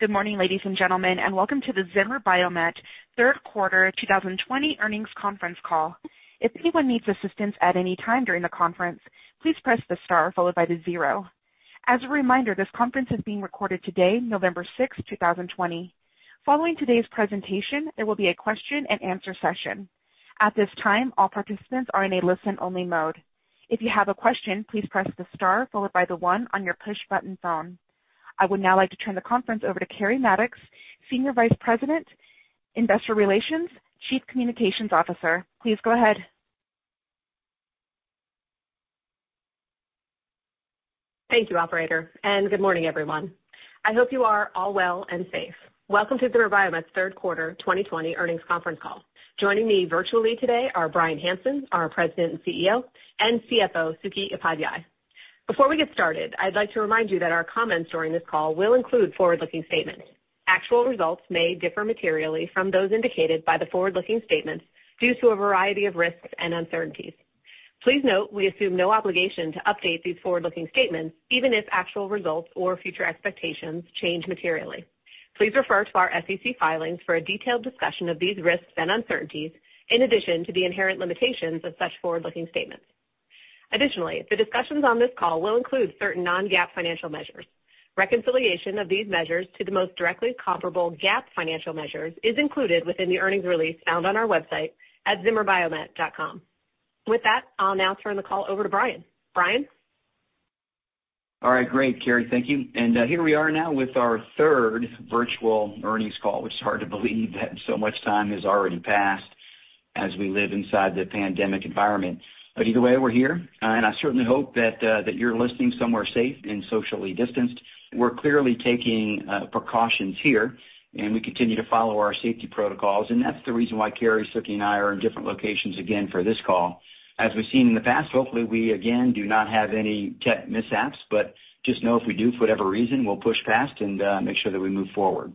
Good morning, ladies and gentlemen, and welcome to the Zimmer Biomet Q3 2020 Earnings Conference Call. If anyone needs assistance at any time during the conference, please press the star followed by the zero. As a reminder, this conference is being recorded today, November 6, 2020. Following today's presentation, there will be a question-and-answer session. At this time, all participants are in a listen-only mode. If you have a question, please press the star followed by the one on your push-button phone. I would now like to turn the conference over to Keri Mattox, Senior Vice President, Investor Relations, Chief Communications Officer. Please go ahead. Thank you, Operator, and good morning, everyone. I hope you are all well and safe. Welcome to the Zimmer Biomet Q3 2020 Earnings Conference Call. Joining me virtually today are Bryan Hanson, our President and CEO, and CFO Suky Upadhyay. Before we get started, I'd like to remind you that our comments during this call will include forward-looking statements. Actual results may differ materially from those indicated by the forward-looking statements due to a variety of risks and uncertainties. Please note we assume no obligation to update these forward-looking statements even if actual results or future expectations change materially. Please refer to our SEC filings for a detailed discussion of these risks and uncertainties in addition to the inherent limitations of such forward-looking statements. Additionally, the discussions on this call will include certain non-GAAP financial measures. Reconciliation of these measures to the most directly comparable GAAP financial measures is included within the earnings release found on our website at ZimmerBiomet.com. With that, I'll now turn the call over to Bryan. Bryan? All right, great, Keri, thank you. Here we are now with our third virtual earnings call, which is hard to believe that so much time has already passed as we live inside the pandemic environment. Either way, we're here, and I certainly hope that you're listening somewhere safe and socially distanced. We're clearly taking precautions here, and we continue to follow our safety protocols, and that's the reason why Keri, Suky, and I are in different locations again for this call. As we've seen in the past, hopefully we again do not have any tech mishaps, but just know if we do, for whatever reason, we'll push past and make sure that we move forward.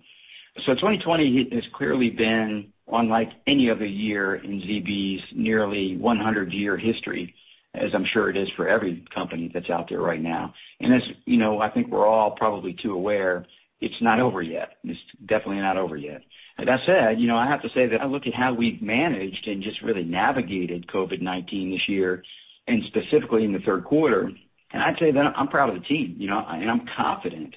2020 has clearly been unlike any other year in ZB's nearly 100-year history, as I'm sure it is for every company that's out there right now. As you know, I think we're all probably too aware, it's not over yet. It's definitely not over yet. That said, I have to say that I look at how we've managed and just really navigated COVID-19 this year, and specifically in the third quarter, and I'd say that I'm proud of the team, and I'm confident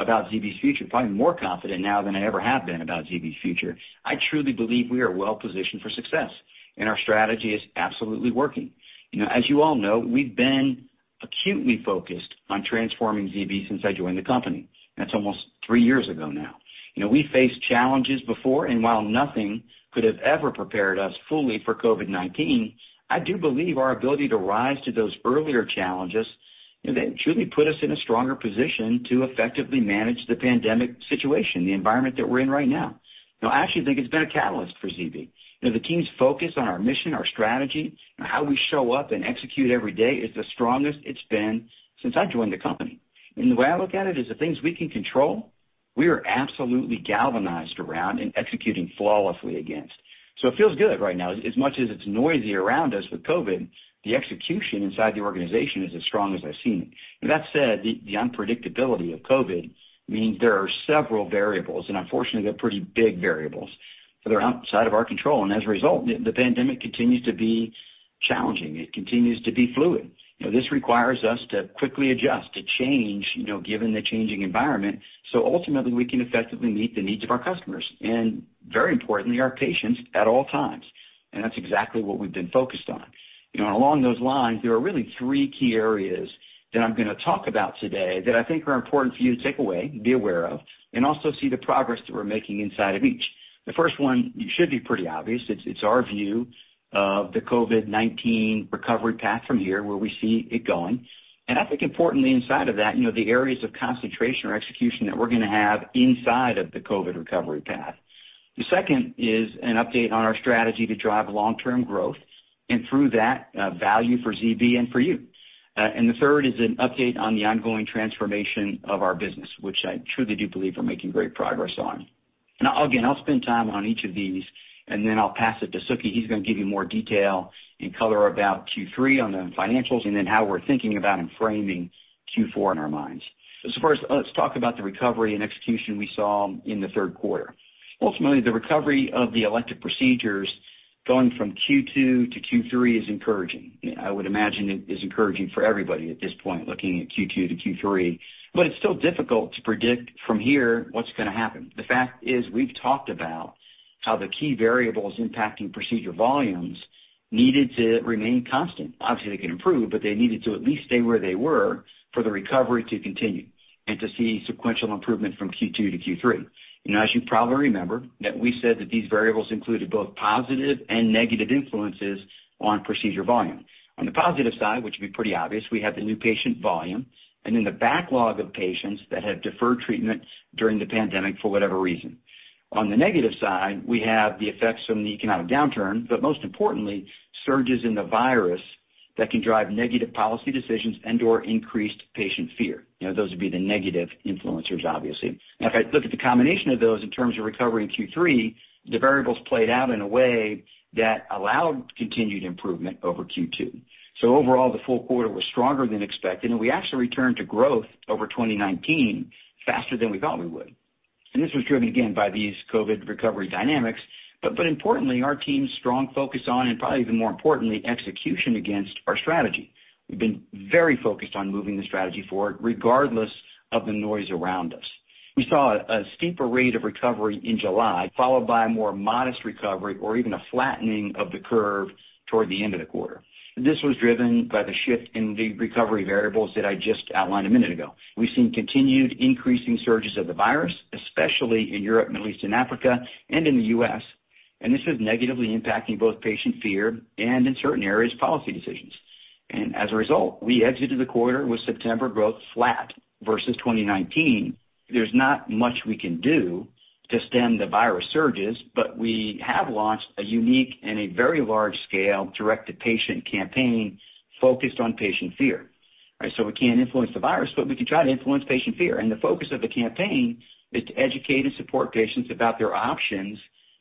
about ZB's future, probably more confident now than I ever have been about ZB's future. I truly believe we are well-positioned for success, and our strategy is absolutely working. As you all know, we've been acutely focused on transforming ZB since I joined the company. That's almost three years ago now. We faced challenges before, and while nothing could have ever prepared us fully for COVID-19, I do believe our ability to rise to those earlier challenges, they truly put us in a stronger position to effectively manage the pandemic situation, the environment that we're in right now. I actually think it's been a catalyst for ZB. The team's focus on our mission, our strategy, and how we show up and execute every day is the strongest it's been since I joined the company. The way I look at it is the things we can control, we are absolutely galvanized around and executing flawlessly against. It feels good right now. As much as it's noisy around us with COVID, the execution inside the organization is as strong as I've seen it. That said, the unpredictability of COVID means there are several variables, and unfortunately, they're pretty big variables that are outside of our control. As a result, the pandemic continues to be challenging. It continues to be fluid. This requires us to quickly adjust, to change given the changing environment, so ultimately we can effectively meet the needs of our customers and, very importantly, our patients at all times. That's exactly what we've been focused on. Along those lines, there are really three key areas that I'm going to talk about today that I think are important for you to take away and be aware of, and also see the progress that we're making inside of each. The first one, it should be pretty obvious. It's our view of the COVID-19 recovery path from here, where we see it going. I think importantly inside of that, the areas of concentration or execution that we're going to have inside of the COVID recovery path. The second is an update on our strategy to drive long-term growth and through that, value for ZB and for you. The third is an update on the ongoing transformation of our business, which I truly do believe we're making great progress on. Again, I'll spend time on each of these, and then I'll pass it to Suky. He's going to give you more detail and color about Q3 on the financials and then how we're thinking about and framing Q4 in our minds. First, let's talk about the recovery and execution we saw in the third quarter. Ultimately, the recovery of the elective procedures going from Q2 to Q3 is encouraging. I would imagine it is encouraging for everybody at this point looking at Q2 to Q3, but it's still difficult to predict from here what's going to happen. The fact is we've talked about how the key variables impacting procedure volumes needed to remain constant. Obviously, they can improve, but they needed to at least stay where they were for the recovery to continue and to see sequential improvement from Q2 to Q3. As you probably remember, we said that these variables included both positive and negative influences on procedure volume. On the positive side, which would be pretty obvious, we have the new patient volume and then the backlog of patients that have deferred treatment during the pandemic for whatever reason. On the negative side, we have the effects from the economic downturn, but most importantly, surges in the virus that can drive negative policy decisions and/or increased patient fear. Those would be the negative influencers, obviously. Now, if I look at the combination of those in terms of recovery in Q3, the variables played out in a way that allowed continued improvement over Q2. Overall, the full quarter was stronger than expected, and we actually returned to growth over 2019 faster than we thought we would. This was driven again by these COVID recovery dynamics, but importantly, our team's strong focus on, and probably even more importantly, execution against our strategy. We've been very focused on moving the strategy forward regardless of the noise around us. We saw a steeper rate of recovery in July, followed by a more modest recovery or even a flattening of the curve toward the end of the quarter. This was driven by the shift in the recovery variables that I just outlined a minute ago. We've seen continued increasing surges of the virus, especially in Europe, Middle East, and Africa, and in the U.S., and this is negatively impacting both patient fear and, in certain areas, policy decisions. As a result, we exited the quarter with September growth flat versus 2019. There's not much we can do to stem the virus surges, but we have launched a unique and a very large-scale direct-to-patient campaign focused on patient fear. We can't influence the virus, but we can try to influence patient fear. The focus of the campaign is to educate and support patients about their options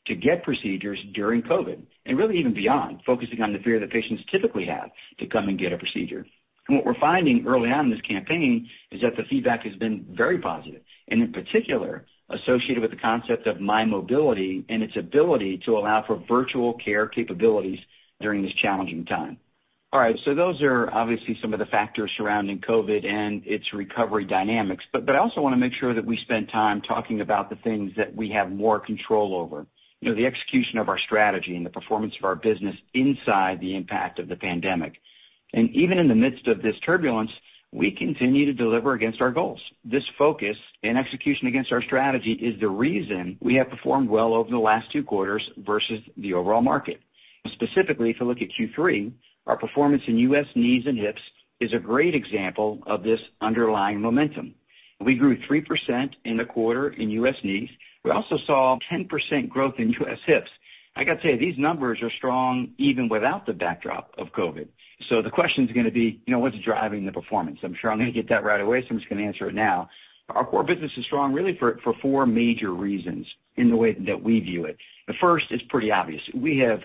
to get procedures during COVID and really even beyond, focusing on the fear that patients typically have to come and get a procedure. What we're finding early on in this campaign is that the feedback has been very positive, and in particular, associated with the concept of mymobility and its ability to allow for virtual care capabilities during this challenging time. Those are obviously some of the factors surrounding COVID and its recovery dynamics. I also want to make sure that we spend time talking about the things that we have more control over, the execution of our strategy and the performance of our business inside the impact of the pandemic. Even in the midst of this turbulence, we continue to deliver against our goals. This focus and execution against our strategy is the reason we have performed well over the last two quarters versus the overall market. Specifically, if you look at Q3, our performance in U.S. knees and hips is a great example of this underlying momentum. We grew 3% in the quarter in U.S. knees. We also saw 10% growth in U.S. hips. I got to tell you, these numbers are strong even without the backdrop of COVID. The question's going to be, what's driving the performance? I'm sure I'm going to get that right away, so I'm just going to answer it now. Our core business is strong really for four major reasons in the way that we view it. The first is pretty obvious. We have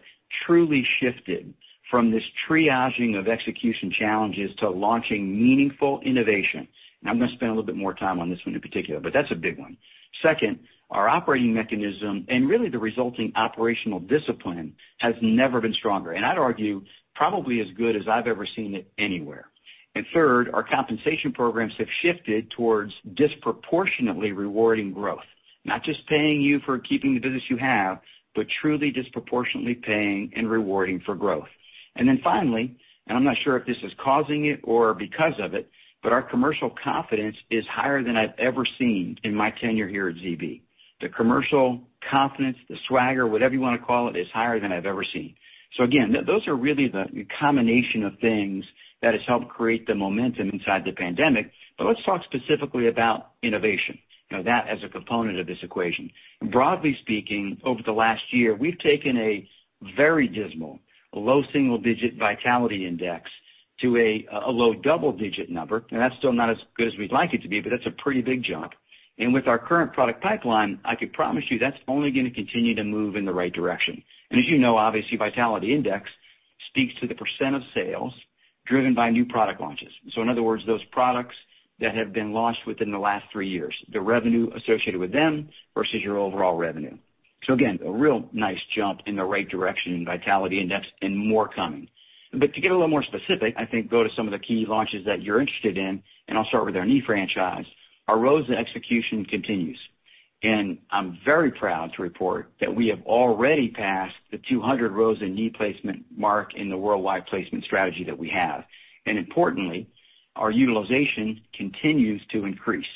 truly shifted from this triaging of execution challenges to launching meaningful innovation. I'm going to spend a little bit more time on this one in particular, but that's a big one. Second, our operating mechanism and really the resulting operational discipline has never been stronger, and I'd argue probably as good as I've ever seen it anywhere. Third, our compensation programs have shifted towards disproportionately rewarding growth, not just paying you for keeping the business you have, but truly disproportionately paying and rewarding for growth. Finally, and I'm not sure if this is causing it or because of it, but our commercial confidence is higher than I've ever seen in my tenure here at ZB. The commercial confidence, the swagger, whatever you want to call it, is higher than I've ever seen. Those are really the combination of things that has helped create the momentum inside the pandemic, but let's talk specifically about innovation, that as a component of this equation. Broadly speaking, over the last year, we've taken a very dismal low single-digit vitality index to a low double-digit number, and that's still not as good as we'd like it to be, but that's a pretty big jump. With our current product pipeline, I could promise you that's only going to continue to move in the right direction. As you know, obviously, vitality index speaks to the percent of sales driven by new product launches. In other words, those products that have been launched within the last three years, the revenue associated with them versus your overall revenue. Again, a real nice jump in the right direction in vitality index and more coming. To get a little more specific, I think go to some of the key launches that you're interested in, and I'll start with our knee franchise. Our ROSA execution continues, and I'm very proud to report that we have already passed the 200 ROSA Knee Placement mark in the worldwide placement strategy that we have. Importantly, our utilization continues to increase,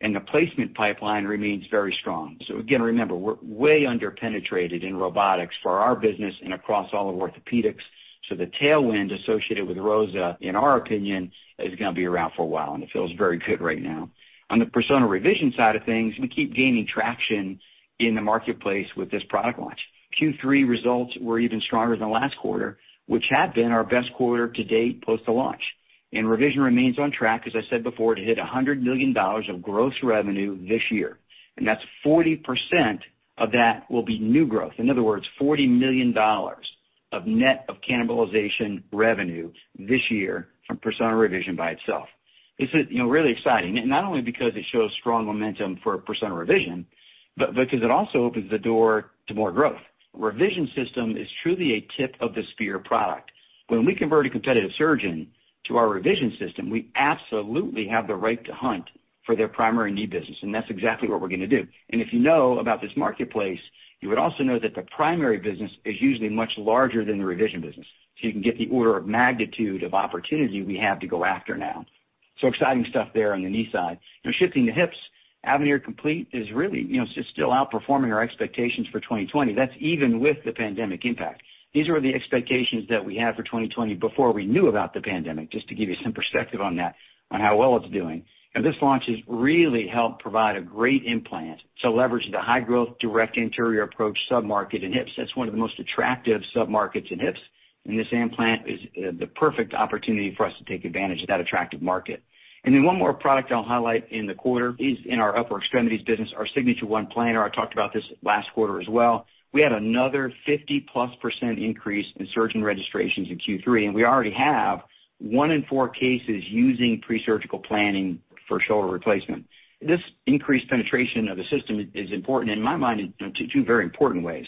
and the placement pipeline remains very strong. Again, remember, we're way underpenetrated in robotics for our business and across all of orthopedics, so the tailwind associated with ROSA, in our opinion, is going to be around for a while, and it feels very good right now. On the Persona Revision side of things, we keep gaining traction in the marketplace with this product launch. Q3 results were even stronger than last quarter, which had been our best quarter to date post the launch. Revision remains on track, as I said before, to hit $100 million of gross revenue this year, and 40% of that will be new growth. In other words, $40 million of net of cannibalization revenue this year from Persona Revision by itself. This is really exciting, not only because it shows strong momentum for Persona Revision, but because it also opens the door to more growth. Revision system is truly a tip of the spear product. When we convert a competitive surgeon to our revision system, we absolutely have the right to hunt for their primary knee business, and that's exactly what we're going to do. If you know about this marketplace, you would also know that the primary business is usually much larger than the revision business. You can get the order of magnitude of opportunity we have to go after now. Exciting stuff there on the knee side. Shifting to hips, Avenir Complete is really still outperforming our expectations for 2020. That's even with the pandemic impact. These were the expectations that we had for 2020 before we knew about the pandemic, just to give you some perspective on that, on how well it's doing. This launch has really helped provide a great implant to leverage the high-growth direct anterior approach submarket in hips. That's one of the most attractive submarkets in hips, and this implant is the perfect opportunity for us to take advantage of that attractive market. One more product I'll highlight in the quarter is in our upper extremities business, our Signature ONE Planner. I talked about this last quarter as well. We had another 50+% increase in surgeon registrations in Q3, and we already have one in four cases using pre-surgical planning for shoulder replacement. This increased penetration of the system is important in my mind in two very important ways.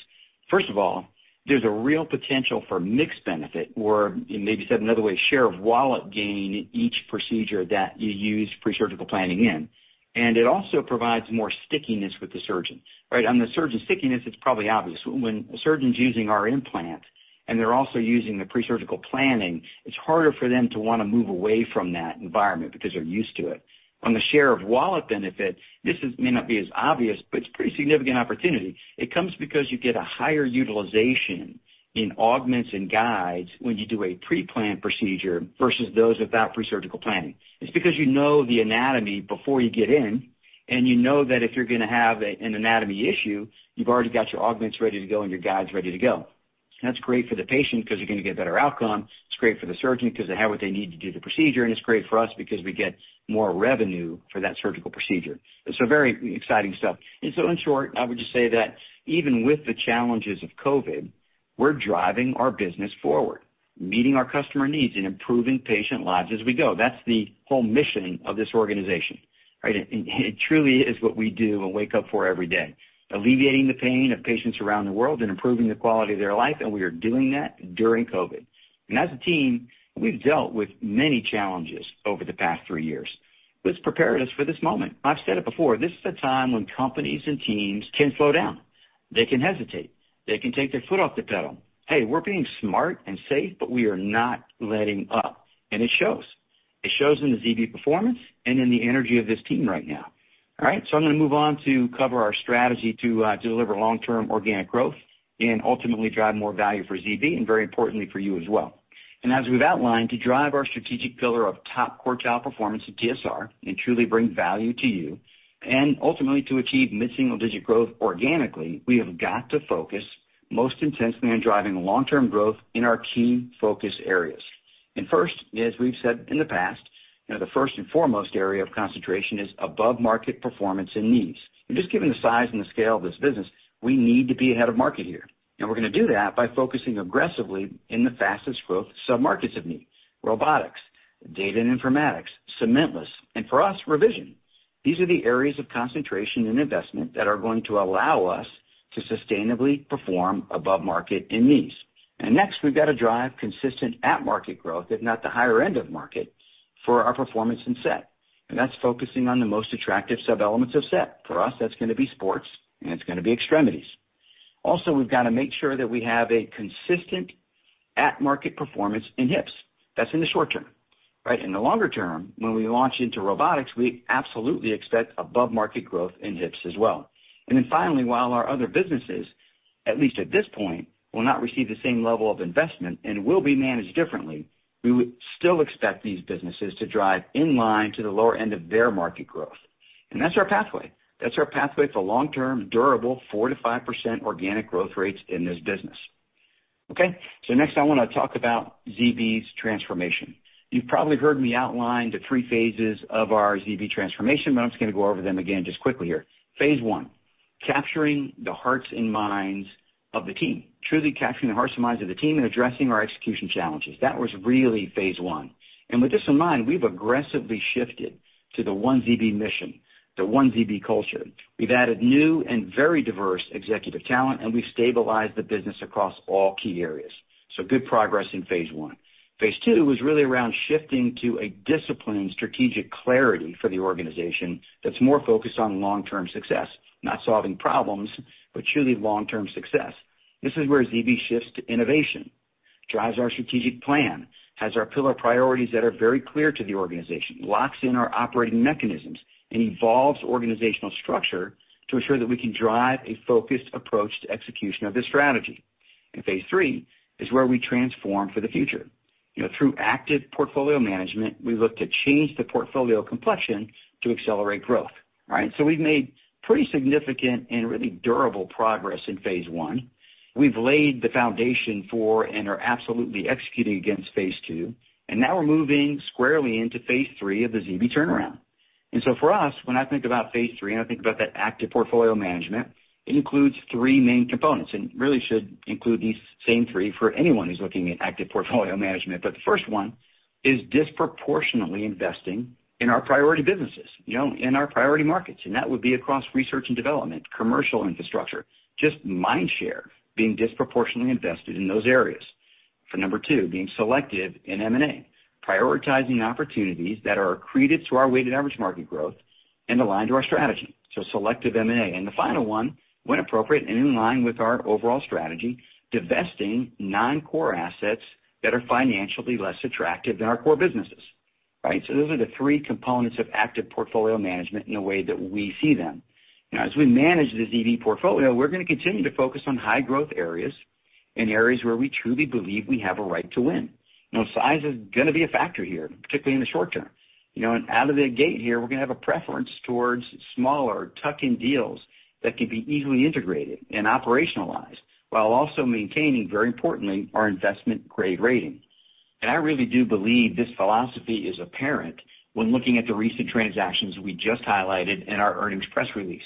First of all, there's a real potential for mixed benefit, or maybe said another way, share of wallet gain in each procedure that you use pre-surgical planning in, and it also provides more stickiness with the surgeon. On the surgeon stickiness, it's probably obvious. When a surgeon's using our implant and they're also using the pre-surgical planning, it's harder for them to want to move away from that environment because they're used to it. On the share of wallet benefit, this may not be as obvious, but it's a pretty significant opportunity. It comes because you get a higher utilization in augments and guides when you do a pre-planned procedure versus those without pre-surgical planning. It's because you know the anatomy before you get in, and you know that if you're going to have an anatomy issue, you've already got your augments ready to go and your guides ready to go. That's great for the patient because you're going to get a better outcome. It's great for the surgeon because they have what they need to do the procedure, and it's great for us because we get more revenue for that surgical procedure. Very exciting stuff. In short, I would just say that even with the challenges of COVID, we're driving our business forward, meeting our customer needs and improving patient lives as we go. That's the whole mission of this organization. It truly is what we do and wake up for every day, alleviating the pain of patients around the world and improving the quality of their life, and we are doing that during COVID. As a team, we've dealt with many challenges over the past three years. What's prepared us for this moment? I've said it before. This is a time when companies and teams can slow down. They can hesitate. They can take their foot off the pedal. Hey, we're being smart and safe, but we are not letting up. It shows. It shows in the ZB performance and in the energy of this team right now. All right, I am going to move on to cover our strategy to deliver long-term organic growth and ultimately drive more value for ZB and very importantly for you as well. As we've outlined, to drive our strategic pillar of top quartile performance at GSR and truly bring value to you, and ultimately to achieve mid-single-digit growth organically, we have got to focus most intensely on driving long-term growth in our key focus areas. First, as we've said in the past, the first and foremost area of concentration is above-market performance in knees. Just given the size and the scale of this business, we need to be ahead of market here. We're going to do that by focusing aggressively in the fastest growth submarkets of knee: robotics, data and informatics, cementless, and for us, revision. These are the areas of concentration and investment that are going to allow us to sustainably perform above market in knees. Next, we've got to drive consistent at-market growth, if not the higher end of market, for our performance in set. That is focusing on the most attractive sub-elements of set. For us, that is going to be sports, and it is going to be extremities. Also, we have to make sure that we have a consistent at-market performance in hips. That is in the short term. In the longer term, when we launch into robotics, we absolutely expect above-market growth in hips as well. Finally, while our other businesses, at least at this point, will not receive the same level of investment and will be managed differently, we would still expect these businesses to drive in line to the lower end of their market growth. That is our pathway. That is our pathway for long-term, durable 4%-5% organic growth rates in this business. Okay, next I want to talk about ZB's transformation. You've probably heard me outline the three phases of our ZB transformation, but I'm just going to go over them again just quickly here. Phase one, capturing the hearts and minds of the team, truly capturing the hearts and minds of the team and addressing our execution challenges. That was really phase one. With this in mind, we've aggressively shifted to the One ZB mission, the One ZB culture. We've added new and very diverse executive talent, and we've stabilized the business across all key areas. Good progress in phase one. Phase two was really around shifting to a disciplined strategic clarity for the organization that's more focused on long-term success, not solving problems, but truly long-term success. This is where ZB shifts to innovation, drives our strategic plan, has our pillar priorities that are very clear to the organization, locks in our operating mechanisms, and evolves organizational structure to ensure that we can drive a focused approach to execution of this strategy. Phase three is where we transform for the future. Through active portfolio management, we look to change the portfolio complexion to accelerate growth. We have made pretty significant and really durable progress in phase one. We have laid the foundation for and are absolutely executing against phase two, and now we are moving squarely into phase three of the ZB turnaround. For us, when I think about phase three and I think about that active portfolio management, it includes three main components and really should include these same three for anyone who is looking at active portfolio management. The first one is disproportionately investing in our priority businesses, in our priority markets, and that would be across research and development, commercial infrastructure, just mind share being disproportionately invested in those areas. For number two, being selective in M&A, prioritizing opportunities that are accretive to our weighted average market growth and aligned to our strategy. Selective M&A. The final one, when appropriate and in line with our overall strategy, divesting non-core assets that are financially less attractive than our core businesses. Those are the three components of active portfolio management in the way that we see them. Now, as we manage the ZB portfolio, we're going to continue to focus on high-growth areas and areas where we truly believe we have a right to win. Size is going to be a factor here, particularly in the short term. Out of the gate here, we're going to have a preference towards smaller, tuck-in deals that can be easily integrated and operationalized while also maintaining, very importantly, our investment-grade rating. I really do believe this philosophy is apparent when looking at the recent transactions we just highlighted in our earnings press release.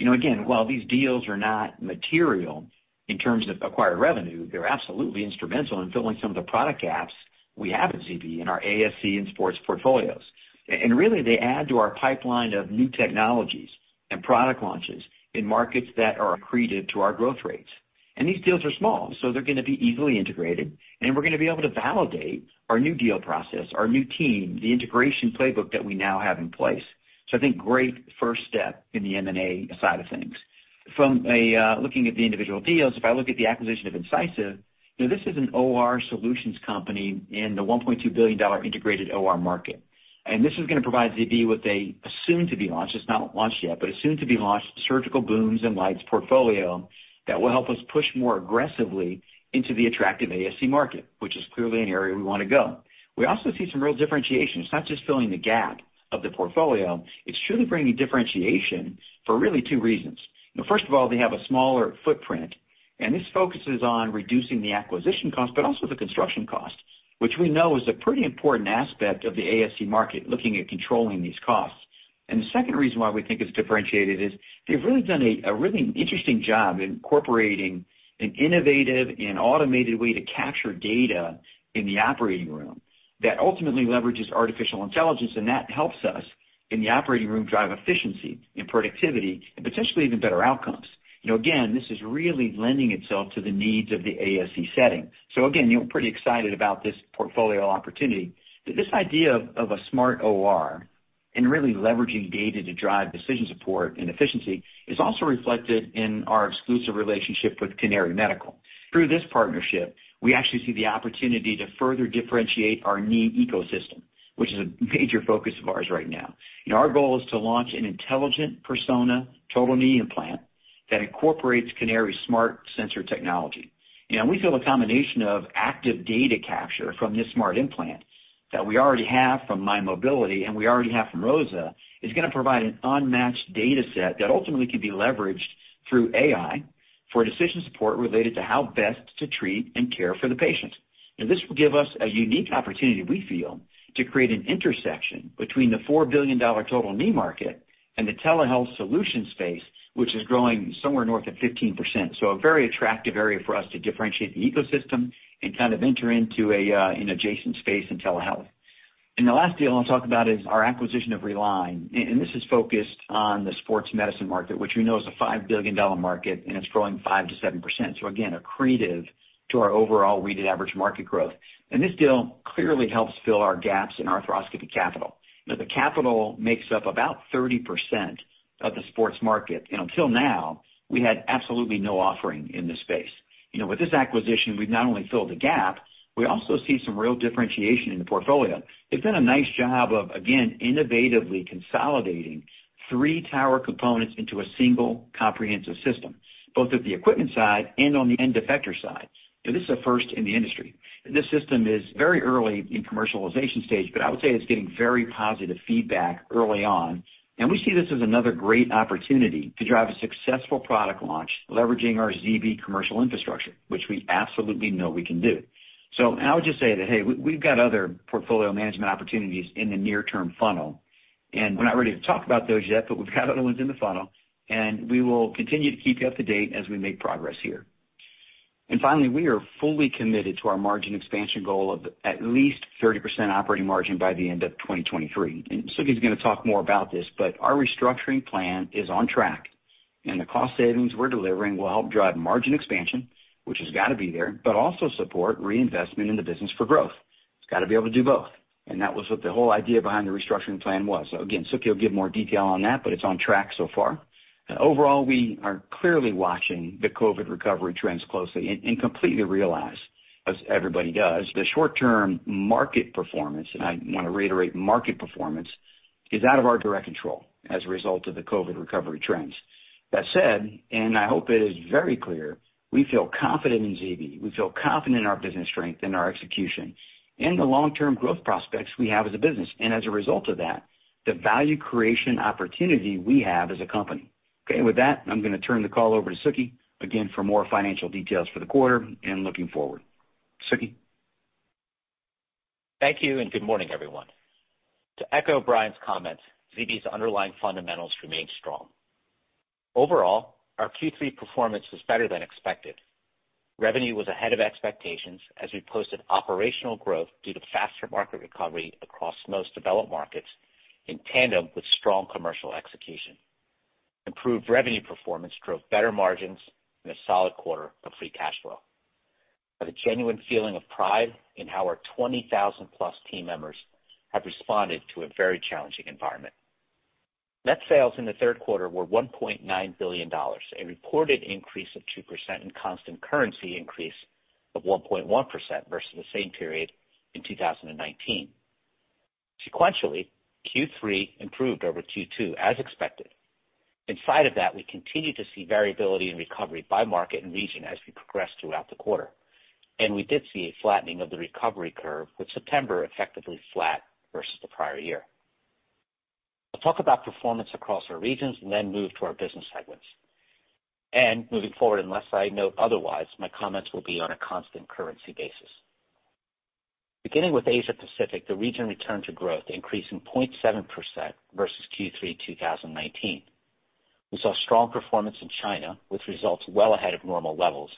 Again, while these deals are not material in terms of acquired revenue, they're absolutely instrumental in filling some of the product gaps we have at ZB in our ASC and sports portfolios. They add to our pipeline of new technologies and product launches in markets that are accretive to our growth rates. These deals are small, so they're going to be easily integrated, and we're going to be able to validate our new deal process, our new team, the integration playbook that we now have in place. I think great first step in the M&A side of things. From looking at the individual deals, if I look at the acquisition of Incisive, this is an OR solutions company in the $1.2 billion integrated OR market. This is going to provide ZB with a soon-to-be launched, it's not launched yet, but a soon-to-be launched surgical booms and lights portfolio that will help us push more aggressively into the attractive ASC market, which is clearly an area we want to go. We also see some real differentiation. It's not just filling the gap of the portfolio. It's truly bringing differentiation for really two reasons. First of all, they have a smaller footprint, and this focuses on reducing the acquisition cost, but also the construction cost, which we know is a pretty important aspect of the ASC market, looking at controlling these costs. The second reason why we think it's differentiated is they've really done a really interesting job in incorporating an innovative and automated way to capture data in the operating room that ultimately leverages artificial intelligence, and that helps us in the operating room drive efficiency and productivity and potentially even better outcomes. Again, this is really lending itself to the needs of the ASC setting. Pretty excited about this portfolio opportunity. This idea of a smart OR and really leveraging data to drive decision support and efficiency is also reflected in our exclusive relationship with Canary Medical. Through this partnership, we actually see the opportunity to further differentiate our knee ecosystem, which is a major focus of ours right now. Our goal is to launch an intelligent Persona total knee implant that incorporates Canary's smart sensor technology. We feel a combination of active data capture from this smart implant that we already have from mymobility and we already have from ROSA is going to provide an unmatched data set that ultimately can be leveraged through AI for decision support related to how best to treat and care for the patient. This will give us a unique opportunity, we feel, to create an intersection between the $4 billion total knee market and the telehealth solution space, which is growing somewhere north of 15%. A very attractive area for us to differentiate the ecosystem and kind of enter into an adjacent space in telehealth. The last deal I'll talk about is our acquisition of ReLign. This is focused on the sports medicine market, which we know is a $5 billion market, and it's growing 5%-7%. Again, accretive to our overall weighted average market growth. This deal clearly helps fill our gaps in arthroscopy capital. The capital makes up about 30% of the sports market. Until now, we had absolutely no offering in this space. With this acquisition, we've not only filled the gap, we also see some real differentiation in the portfolio. They've done a nice job of, again, innovatively consolidating three tower components into a single comprehensive system, both at the equipment side and on the end effector side. This is a first in the industry. This system is very early in commercialization stage, but I would say it's getting very positive feedback early on. We see this as another great opportunity to drive a successful product launch, leveraging our ZB commercial infrastructure, which we absolutely know we can do. I would just say that, hey, we've got other portfolio management opportunities in the near-term funnel. We're not ready to talk about those yet, but we've got other ones in the funnel, and we will continue to keep you up to date as we make progress here. Finally, we are fully committed to our margin expansion goal of at least 30% operating margin by the end of 2023. Suky is going to talk more about this, but our restructuring plan is on track. The cost savings we're delivering will help drive margin expansion, which has got to be there, but also support reinvestment in the business for growth. It's got to be able to do both. That was what the whole idea behind the restructuring plan was. Again, Suky will give more detail on that, but it's on track so far. Overall, we are clearly watching the COVID recovery trends closely and completely realize, as everybody does, the short-term market performance, and I want to reiterate market performance, is out of our direct control as a result of the COVID recovery trends. That said, I hope it is very clear, we feel confident in ZB. We feel confident in our business strength and our execution and the long-term growth prospects we have as a business. As a result of that, the value creation opportunity we have as a company. With that, I'm going to turn the call over to Suky again for more financial details for the quarter and looking forward. Suky? Thank you and good morning, everyone. To echo Bryan's comments, ZB's underlying fundamentals remain strong. Overall, our Q3 performance was better than expected. Revenue was ahead of expectations as we posted operational growth due to faster market recovery across most developed markets in tandem with strong commercial execution. Improved revenue performance drove better margins and a solid quarter of free cash flow. I have a genuine feeling of pride in how our 20,000+ team members have responded to a very challenging environment. Net sales in the third quarter were $1.9 billion, a reported increase of 2% and constant currency increase of 1.1% versus the same period in 2019. Sequentially, Q3 improved over Q2 as expected. In spite of that, we continue to see variability in recovery by market and region as we progressed throughout the quarter. We did see a flattening of the recovery curve, with September effectively flat versus the prior year. I'll talk about performance across our regions and then move to our business segments. Moving forward, unless I note otherwise, my comments will be on a constant currency basis. Beginning with Asia-Pacific, the region returned to growth, increasing 0.7% versus Q3 2019. We saw strong performance in China, with results well ahead of normal levels.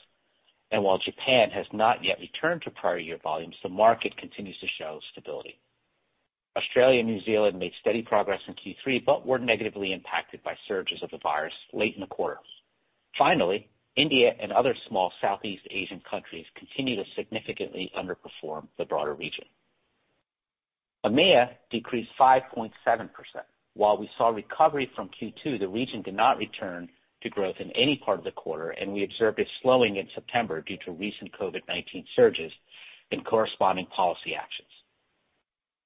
While Japan has not yet returned to prior year volumes, the market continues to show stability. Australia and New Zealand made steady progress in Q3, but were negatively impacted by surges of the virus late in the quarter. Finally, India and other small Southeast Asian countries continued to significantly underperform the broader region. EMEA decreased 5.7%. While we saw recovery from Q2, the region did not return to growth in any part of the quarter, and we observed a slowing in September due to recent COVID-19 surges and corresponding policy actions.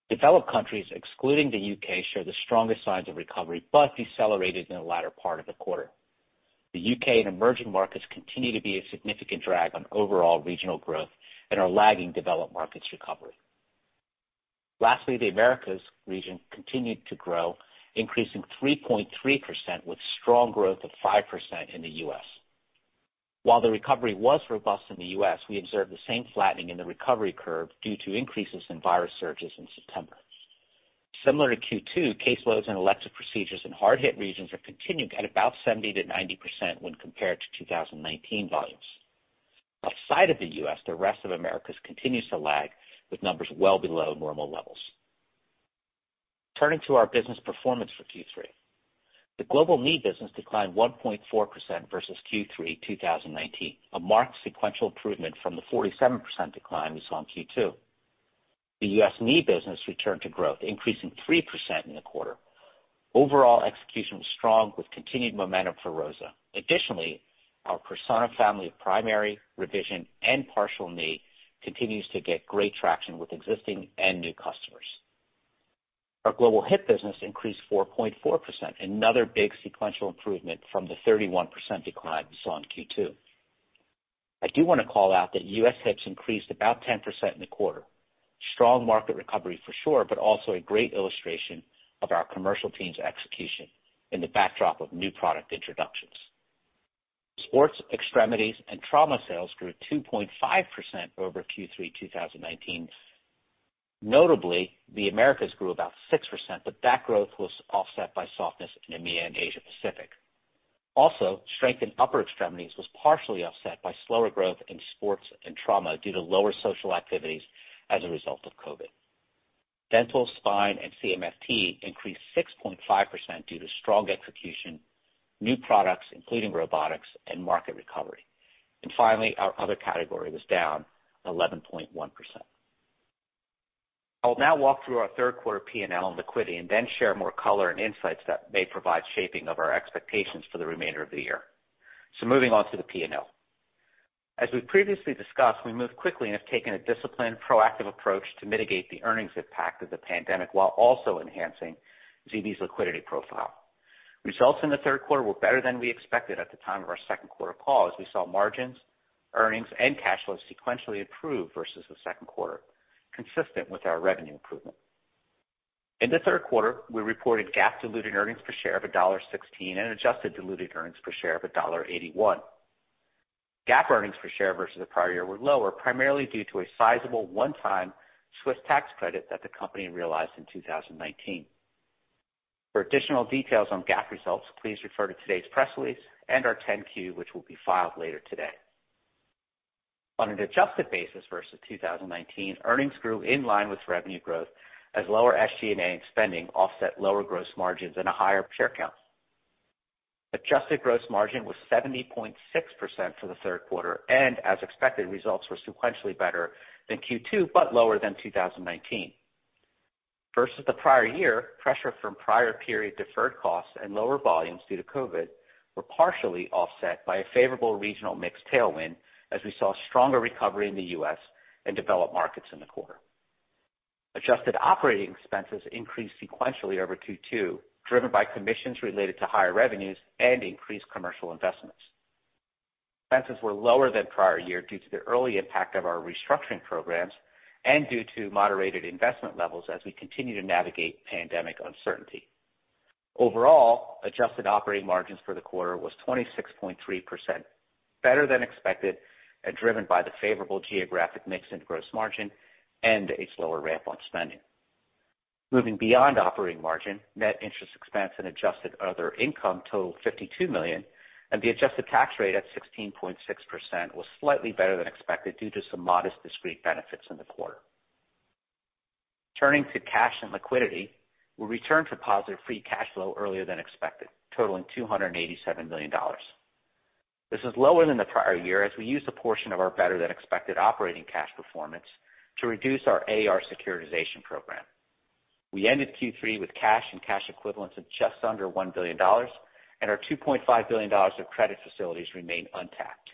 Developed countries, excluding the U.K., showed the strongest signs of recovery, but decelerated in the latter part of the quarter. The U.K. and emerging markets continue to be a significant drag on overall regional growth and are lagging developed markets' recovery. Lastly, the Americas region continued to grow, increasing 3.3%, with strong growth of 5% in the U.S. While the recovery was robust in the U.S., we observed the same flattening in the recovery curve due to increases in virus surges in September. Similar to Q2, caseloads and elective procedures in hard-hit regions have continued at about 70%-90% when compared to 2019 volumes. Outside of the U.S., the rest of Americas continues to lag, with numbers well below normal levels. Turning to our business performance for Q3, the global knee business declined 1.4% versus Q3 2019, a marked sequential improvement from the 47% decline we saw in Q2. The U.S. knee business returned to growth, increasing 3% in the quarter. Overall execution was strong, with continued momentum for ROSA. Additionally, our Persona family of primary, revision, and partial knee continues to get great traction with existing and new customers. Our global hip business increased 4.4%, another big sequential improvement from the 31% decline we saw in Q2. I do want to call out that U.S. hips increased about 10% in the quarter. Strong market recovery for sure, but also a great illustration of our commercial team's execution in the backdrop of new product introductions. Sports, extremities, and trauma sales grew 2.5% over Q3 2019. Notably, the Americas grew about 6%, but that growth was offset by softness in EMEA and Asia-Pacific. Also, strength in upper extremities was partially offset by slower growth in sports and trauma due to lower social activities as a result of COVID. Dental, spine, and CMFT increased 6.5% due to strong execution, new products, including robotics, and market recovery. Finally, our other category was down 11.1%. I will now walk through our third quarter P&L and liquidity and then share more color and insights that may provide shaping of our expectations for the remainder of the year. Moving on to the P&L. As we previously discussed, we moved quickly and have taken a disciplined, proactive approach to mitigate the earnings impact of the pandemic while also enhancing ZB's liquidity profile. Results in the third quarter were better than we expected at the time of our second quarter call, as we saw margins, earnings, and cash flows sequentially improve versus the second quarter, consistent with our revenue improvement. In the third quarter, we reported GAAP diluted earnings per share of $1.16 and adjusted diluted earnings per share of $1.81. GAAP earnings per share versus the prior year were lower, primarily due to a sizable one-time Swiss tax credit that the company realized in 2019. For additional details on GAAP results, please refer to today's press release and our 10-Q, which will be filed later today. On an adjusted basis versus 2019, earnings grew in line with revenue growth as lower SG&A spending offset lower gross margins and a higher share count. Adjusted gross margin was 70.6% for the third quarter, and as expected, results were sequentially better than Q2, but lower than 2019. Versus the prior year, pressure from prior period deferred costs and lower volumes due to COVID were partially offset by a favorable regional mix tailwind, as we saw stronger recovery in the U.S. and developed markets in the quarter. Adjusted operating expenses increased sequentially over Q2, driven by commissions related to higher revenues and increased commercial investments. Expenses were lower than prior year due to the early impact of our restructuring programs and due to moderated investment levels as we continue to navigate pandemic uncertainty. Overall, adjusted operating margins for the quarter was 26.3%, better than expected and driven by the favorable geographic mix and gross margin and a slower ramp on spending. Moving beyond operating margin, net interest expense and adjusted other income totaled $52 million, and the adjusted tax rate at 16.6% was slightly better than expected due to some modest discrete benefits in the quarter. Turning to cash and liquidity, we returned to positive free cash flow earlier than expected, totaling $287 million. This is lower than the prior year as we used a portion of our better-than-expected operating cash performance to reduce our AR securitization program. We ended Q3 with cash and cash equivalents of just under $1 billion, and our $2.5 billion of credit facilities remain untapped.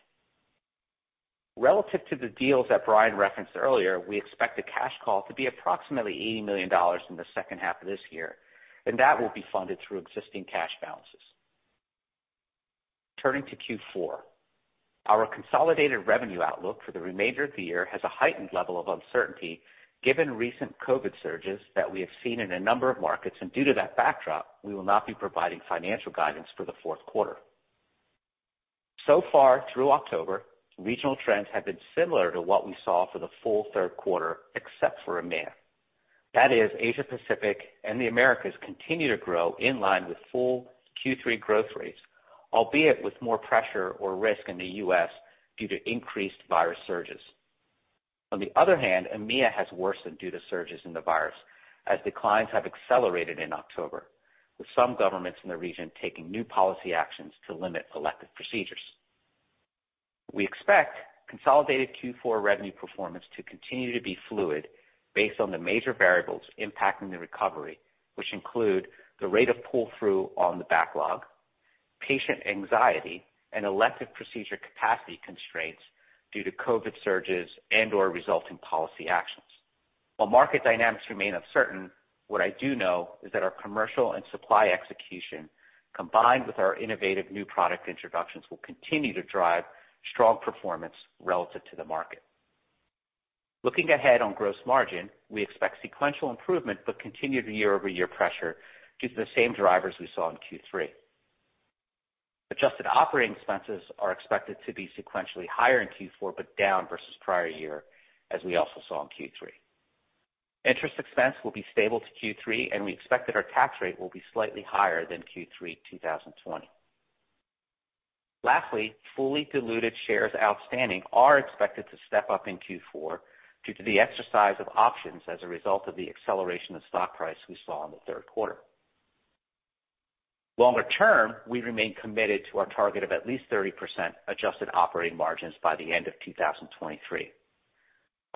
Relative to the deals that Bryan referenced earlier, we expect the cash call to be approximately $80 million in the second half of this year, and that will be funded through existing cash balances. Turning to Q4, our consolidated revenue outlook for the remainder of the year has a heightened level of uncertainty given recent COVID surges that we have seen in a number of markets, and due to that backdrop, we will not be providing financial guidance for the fourth quarter. So far, through October, regional trends have been similar to what we saw for the full third quarter, except for EMEA. That is, Asia-Pacific and the Americas continue to grow in line with full Q3 growth rates, albeit with more pressure or risk in the U.S. due to increased virus surges. On the other hand, EMEA has worsened due to surges in the virus, as declines have accelerated in October, with some governments in the region taking new policy actions to limit elective procedures. We expect consolidated Q4 revenue performance to continue to be fluid based on the major variables impacting the recovery, which include the rate of pull-through on the backlog, patient anxiety, and elective procedure capacity constraints due to COVID surges and/or resulting policy actions. While market dynamics remain uncertain, what I do know is that our commercial and supply execution, combined with our innovative new product introductions, will continue to drive strong performance relative to the market. Looking ahead on gross margin, we expect sequential improvement, but continued year-over-year pressure due to the same drivers we saw in Q3. Adjusted operating expenses are expected to be sequentially higher in Q4, but down versus prior year, as we also saw in Q3. Interest expense will be stable to Q3, and we expect that our tax rate will be slightly higher than Q3 2020. Lastly, fully diluted shares outstanding are expected to step up in Q4 due to the exercise of options as a result of the acceleration of stock price we saw in the third quarter. Longer term, we remain committed to our target of at least 30% adjusted operating margins by the end of 2023.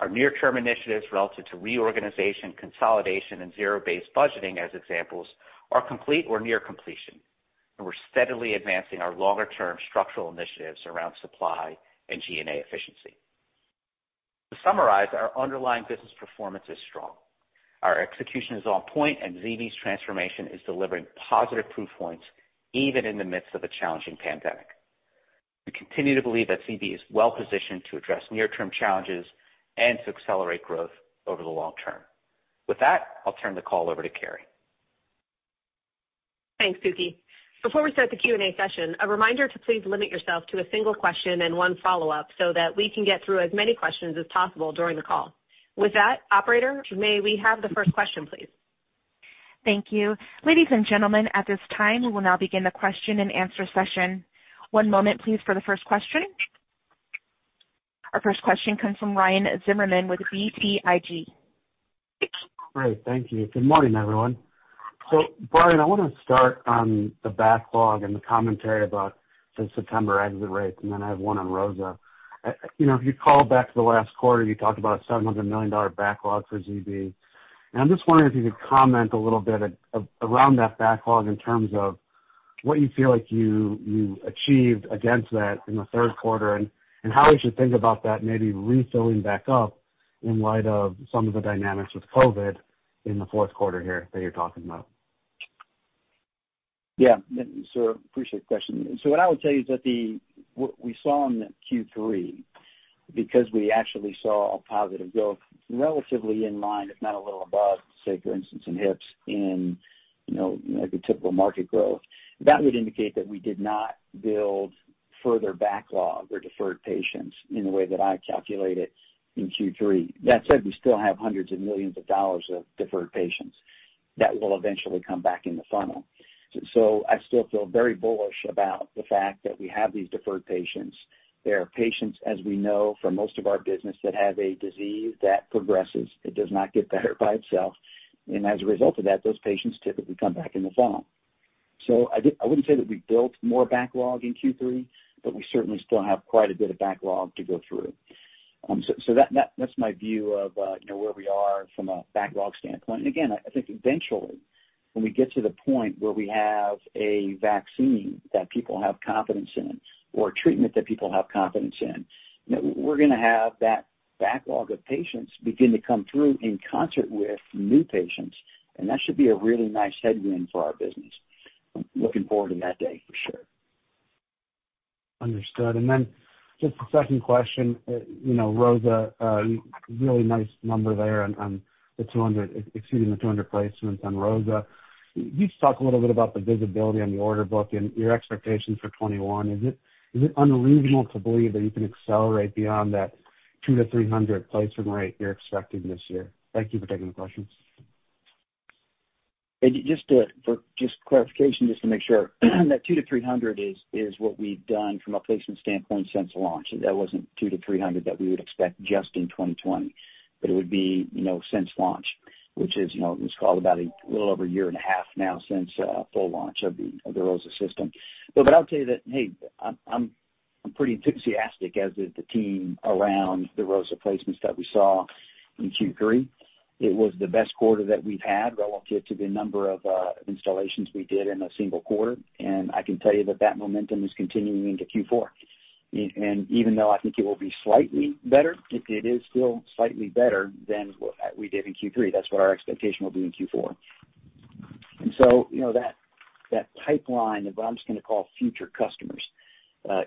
Our near-term initiatives relative to reorganization, consolidation, and zero-based budgeting, as examples, are complete or near completion, and we're steadily advancing our longer-term structural initiatives around supply and G&A efficiency. To summarize, our underlying business performance is strong. Our execution is on point, and ZB's transformation is delivering positive proof points even in the midst of a challenging pandemic. We continue to believe that ZB is well-positioned to address near-term challenges and to accelerate growth over the long term. With that, I'll turn the call over to Keri. Thanks, Suky. Before we start the Q&A session, a reminder to please limit yourself to a single question and one follow-up so that we can get through as many questions as possible during the call. With that, Operator, may we have the first question, please? Thank you. Ladies and gentlemen, at this time, we will now begin the question-and-answer session. One moment, please, for the first question. Our first question comes from Ryan Zimmerman with BTIG. Great. Thank you. Good morning, everyone. Bryan, I want to start on the backlog and the commentary about the September exit rates, and then I have one on ROSA. You know, if you call back to the last quarter, you talked about a $700 million backlog for ZB. I am just wondering if you could comment a little bit around that backlog in terms of what you feel like you achieved against that in the third quarter and how we should think about that maybe refilling back up in light of some of the dynamics with COVID in the fourth quarter here that you are talking about. Yeah. Appreciate the question. What I would say is that we saw in Q3, because we actually saw a positive growth relatively in line, if not a little above, say, for instance, in hips in the typical market growth, that would indicate that we did not build further backlog or deferred patients in the way that I calculate it in Q3. That said, we still have hundreds of millions of dollars of deferred patients that will eventually come back in the funnel. I still feel very bullish about the fact that we have these deferred patients. There are patients, as we know from most of our business, that have a disease that progresses. It does not get better by itself. As a result of that, those patients typically come back in the funnel. I would not say that we built more backlog in Q3, but we certainly still have quite a bit of backlog to go through. That is my view of where we are from a backlog standpoint. Again, I think eventually, when we get to the point where we have a vaccine that people have confidence in or a treatment that people have confidence in, we are going to have that backlog of patients begin to come through in concert with new patients, and that should be a really nice headwind for our business. I am looking forward to that day, for sure. Understood. And then just the second question, you know, ROSA, really nice number there on the 200, exceeding the 200 placements on ROSA. You talked a little bit about the visibility on the order book and your expectations for 2021. Is it unreasonable to believe that you can accelerate beyond that 200-300 placement rate you're expecting this year? Thank you for taking the question. Just for clarification, just to make sure, that 200-300 is what we've done from a placement standpoint since launch. That was not 200-300 that we would expect just in 2020, but it would be since launch, which is, you know, it's called about a little over a year and a half now since full launch of the ROSA system. I'll tell you that, hey, I'm pretty enthusiastic as to the team around the ROSA placements that we saw in Q3. It was the best quarter that we've had relative to the number of installations we did in a single quarter, and I can tell you that that momentum is continuing into Q4. Even though I think it will be slightly better, it is still slightly better than what we did in Q3. That is what our expectation will be in Q4. You know, that pipeline of what I'm just going to call future customers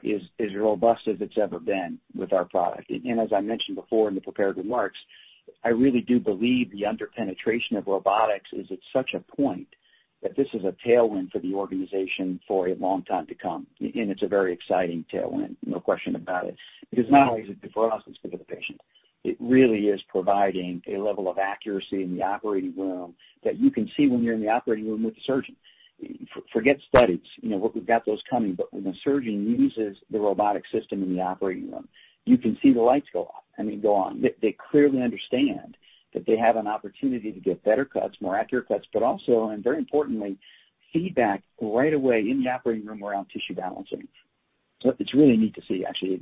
is robust as it's ever been with our product. As I mentioned before in the prepared remarks, I really do believe the under-penetration of robotics is at such a point that this is a tailwind for the organization for a long time to come. It's a very exciting tailwind, no question about it, because not only is it good for us, it's good for the patient. It really is providing a level of accuracy in the operating room that you can see when you're in the operating room with the surgeon. Forget studies. You know, we've got those coming, but when the surgeon uses the robotic system in the operating room, you can see the lights go off, I mean, go on. They clearly understand that they have an opportunity to get better cuts, more accurate cuts, but also, and very importantly, feedback right away in the operating room around tissue balancing. It is really neat to see, actually.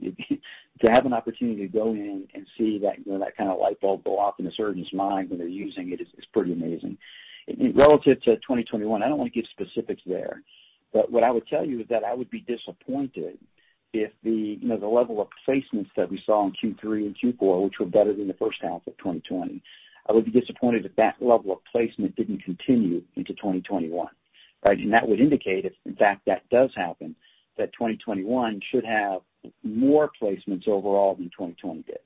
To have an opportunity to go in and see that kind of light bulb go off in a surgeon's mind when they're using it is pretty amazing. Relative to 2021, I do not want to give specifics there, but what I would tell you is that I would be disappointed if the level of placements that we saw in Q3 and Q4, which were better than the first half of 2020, I would be disappointed if that level of placement did not continue into 2021, right? That would indicate if, in fact, that does happen, that 2021 should have more placements overall than 2020 did.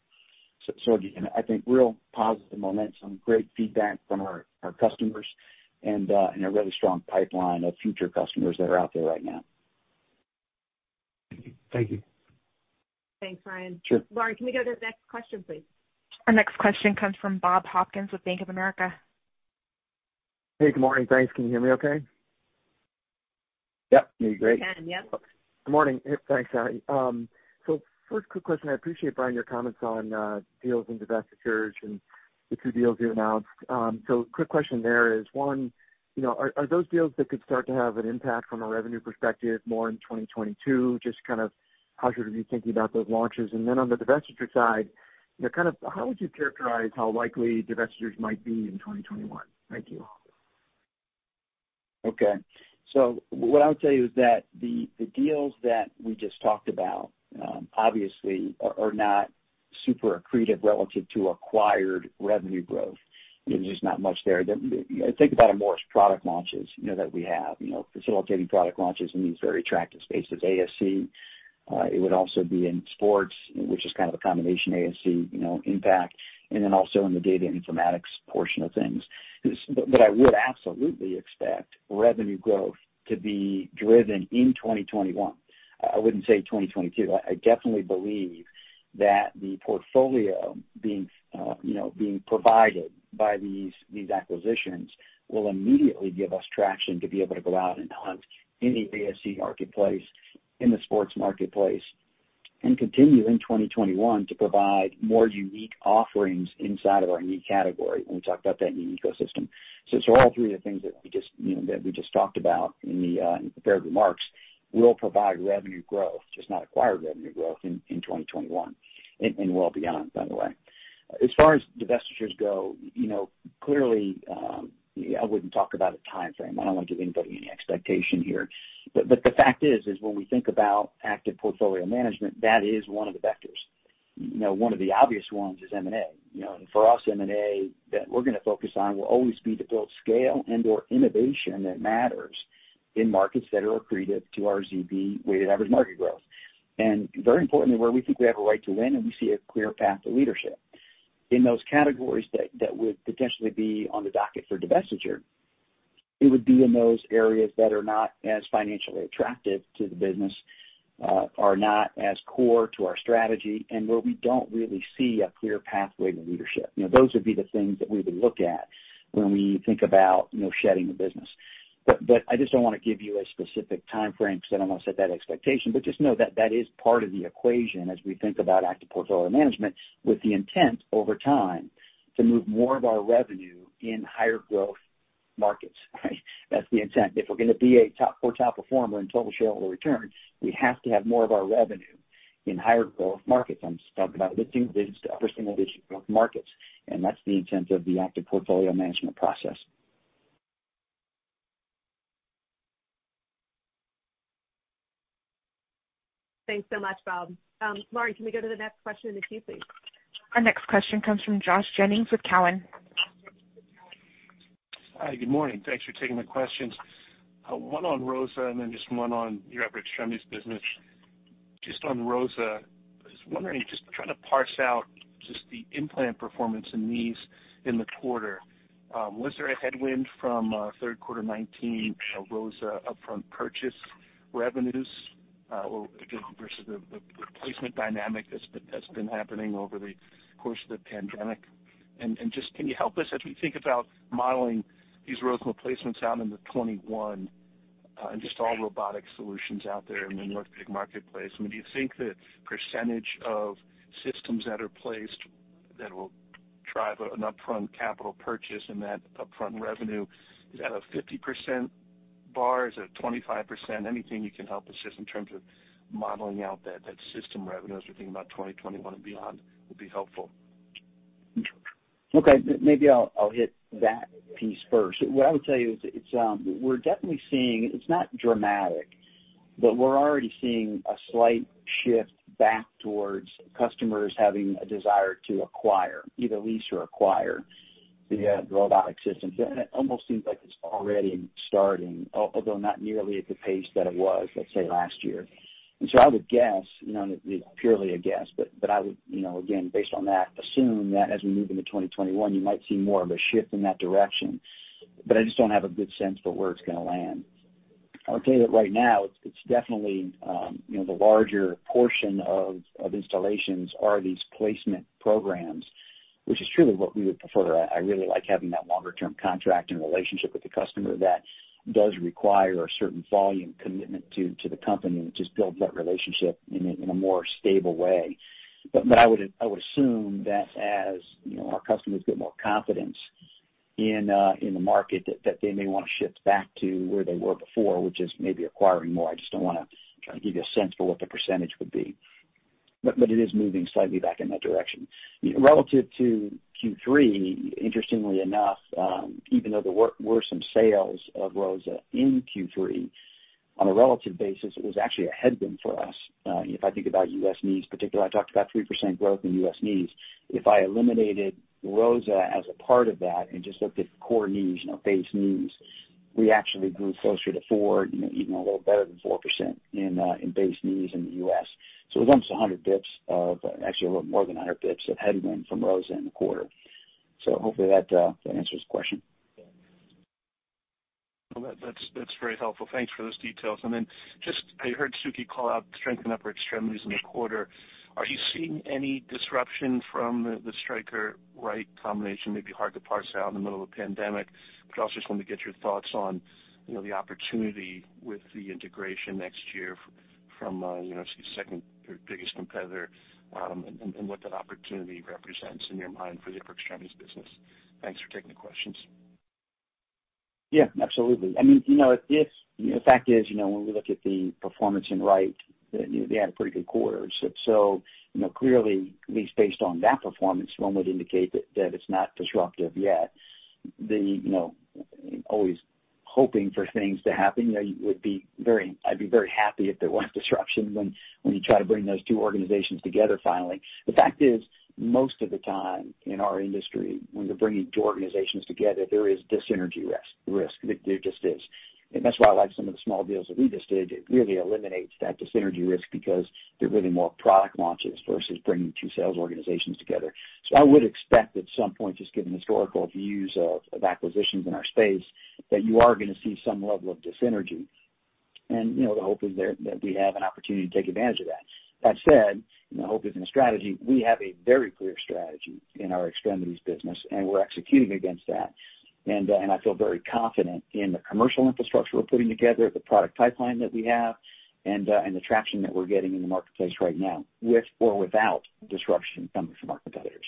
I think real positive momentum, great feedback from our customers, and a really strong pipeline of future customers that are out there right now. Thank you. Thanks, Ryan. Sure. Lauren, can we go to the next question, please? Our next question comes from Bob Hopkins with Bank of America. Hey, good morning. Thanks. Can you hear me okay? Yep. You hear me great. You can, yep. Good morning. Thanks, Keri. First, quick question. I appreciate, Bryan, your comments on deals and divestitures and the two deals you announced. Quick question there is, one, you know, are those deals that could start to have an impact from a revenue perspective more in 2022? Just kind of how should we be thinking about those launches? And then on the divestiture side, you know, kind of how would you characterize how likely divestitures might be in 2021? Thank you. Okay. What I would tell you is that the deals that we just talked about, obviously, are not super accretive relative to acquired revenue growth. There's just not much there. Think about it more as product launches, you know, that we have, you know, facilitating product launches in these very attractive spaces: ASC. It would also be in sports, which is kind of a combination ASC, you know, impact, and then also in the data and informatics portion of things. I would absolutely expect revenue growth to be driven in 2021. I wouldn't say 2022. I definitely believe that the portfolio being, you know, being provided by these acquisitions will immediately give us traction to be able to go out and hunt in the ASC marketplace, in the sports marketplace, and continue in 2021 to provide more unique offerings inside of our new category. We talked about that new ecosystem. It is all three of the things that we just, you know, that we just talked about in the prepared remarks will provide revenue growth, just not acquired revenue growth in 2021, and well beyond, by the way. As far as divestitures go, you know, clearly, I would not talk about a timeframe. I do not want to give anybody any expectation here. The fact is, is when we think about active portfolio management, that is one of the vectors. You know, one of the obvious ones is M&A. For us, M&A that we are going to focus on will always be to build scale and/or innovation that matters in markets that are accretive to our ZB weighted average market growth. Very importantly, where we think we have a right to win and we see a clear path to leadership. In those categories that would potentially be on the docket for divestiture, it would be in those areas that are not as financially attractive to the business, are not as core to our strategy, and where we do not really see a clear pathway to leadership. You know, those would be the things that we would look at when we think about, you know, shedding the business. I just do not want to give you a specific timeframe because I do not want to set that expectation, but just know that that is part of the equation as we think about active portfolio management with the intent over time to move more of our revenue in higher growth markets, right? That is the intent. If we are going to be a top four top performer in total shareholder return, we have to have more of our revenue in higher growth markets. I'm just talking about the single-digit to upper single-digit growth markets. That is the intent of the active portfolio management process. Thanks so much, Bob. Lauren, can we go to the next question in the queue, please? Our next question comes from Josh Jennings with Cowen. Hi, good morning. Thanks for taking the questions. One on ROSA and then just one on your upper extremities business. Just on ROSA, I was wondering, just trying to parse out just the implant performance in these in the quarter. Was there a headwind from third quarter 2019 ROSA upfront purchase revenues versus the placement dynamic that's been happening over the course of the pandemic? Can you help us as we think about modeling these ROSA placements out in 2021 and just all robotic solutions out there in the North Big marketplace? I mean, do you think the percentage of systems that are placed that will drive an upfront capital purchase and that upfront revenue, is that a 50% bar? Is it a 25%? Anything you can help us just in terms of modeling out that system revenue as we think about 2021 and beyond would be helpful. Okay. Maybe I'll hit that piece first. What I would tell you is we're definitely seeing, it's not dramatic, but we're already seeing a slight shift back towards customers having a desire to acquire, either lease or acquire the robotic systems. That almost seems like it's already starting, although not nearly at the pace that it was, let's say, last year. I would guess, you know, it's purely a guess, but I would, you know, again, based on that, assume that as we move into 2021, you might see more of a shift in that direction. I just don't have a good sense for where it's going to land. I would tell you that right now, it's definitely, you know, the larger portion of installations are these placement programs, which is truly what we would prefer. I really like having that longer-term contract and relationship with the customer that does require a certain volume commitment to the company and just builds that relationship in a more stable way. I would assume that as, you know, our customers get more confidence in the market, that they may want to shift back to where they were before, which is maybe acquiring more. I just don't want to try to give you a sense for what the percentage would be. It is moving slightly back in that direction. Relative to Q3, interestingly enough, even though there were some sales of ROSA in Q3, on a relative basis, it was actually a headwind for us. If I think about U.S. knees particularly, I talked about 3% growth in U.S. knees. If I eliminated ROSA as a part of that and just looked at core knees, you know, base knees, we actually grew closer to four, you know, even a little better than 4% in base knees in the U.S. It was almost 100 bps of, actually a little more than 100 bps of headwind from ROSA in the quarter. Hopefully, that answers the question. That's very helpful. Thanks for those details. I heard Suky call out strength in upper extremities in the quarter. Are you seeing any disruption from the Stryker/Wright combination? Maybe hard to parse out in the middle of a pandemic. I also just wanted to get your thoughts on, you know, the opportunity with the integration next year from, you know, see second biggest competitor and what that opportunity represents in your mind for the upper extremities business. Thanks for taking the questions. Yeah, absolutely. I mean, you know, if, you know, the fact is, you know, when we look at the performance in Wright, they had a pretty good quarter. You know, clearly, at least based on that performance, one would indicate that it's not disruptive yet. You know, always hoping for things to happen, you would be very, I'd be very happy if there was disruption when you try to bring those two organizations together finally. The fact is, most of the time in our industry, when you're bringing two organizations together, there is dysynergy risk. There just is. That is why I like some of the small deals that we just did. It really eliminates that dysynergy risk because they're really more product launches versus bringing two sales organizations together. I would expect at some point, just given historical views of acquisitions in our space, that you are going to see some level of dysynergy. And, you know, the hope is that we have an opportunity to take advantage of that. That said, the hope is not a strategy. We have a very clear strategy in our extremities business, and we're executing against that. I feel very confident in the commercial infrastructure we're putting together, the product pipeline that we have, and the traction that we're getting in the marketplace right now, with or without disruption coming from our competitors.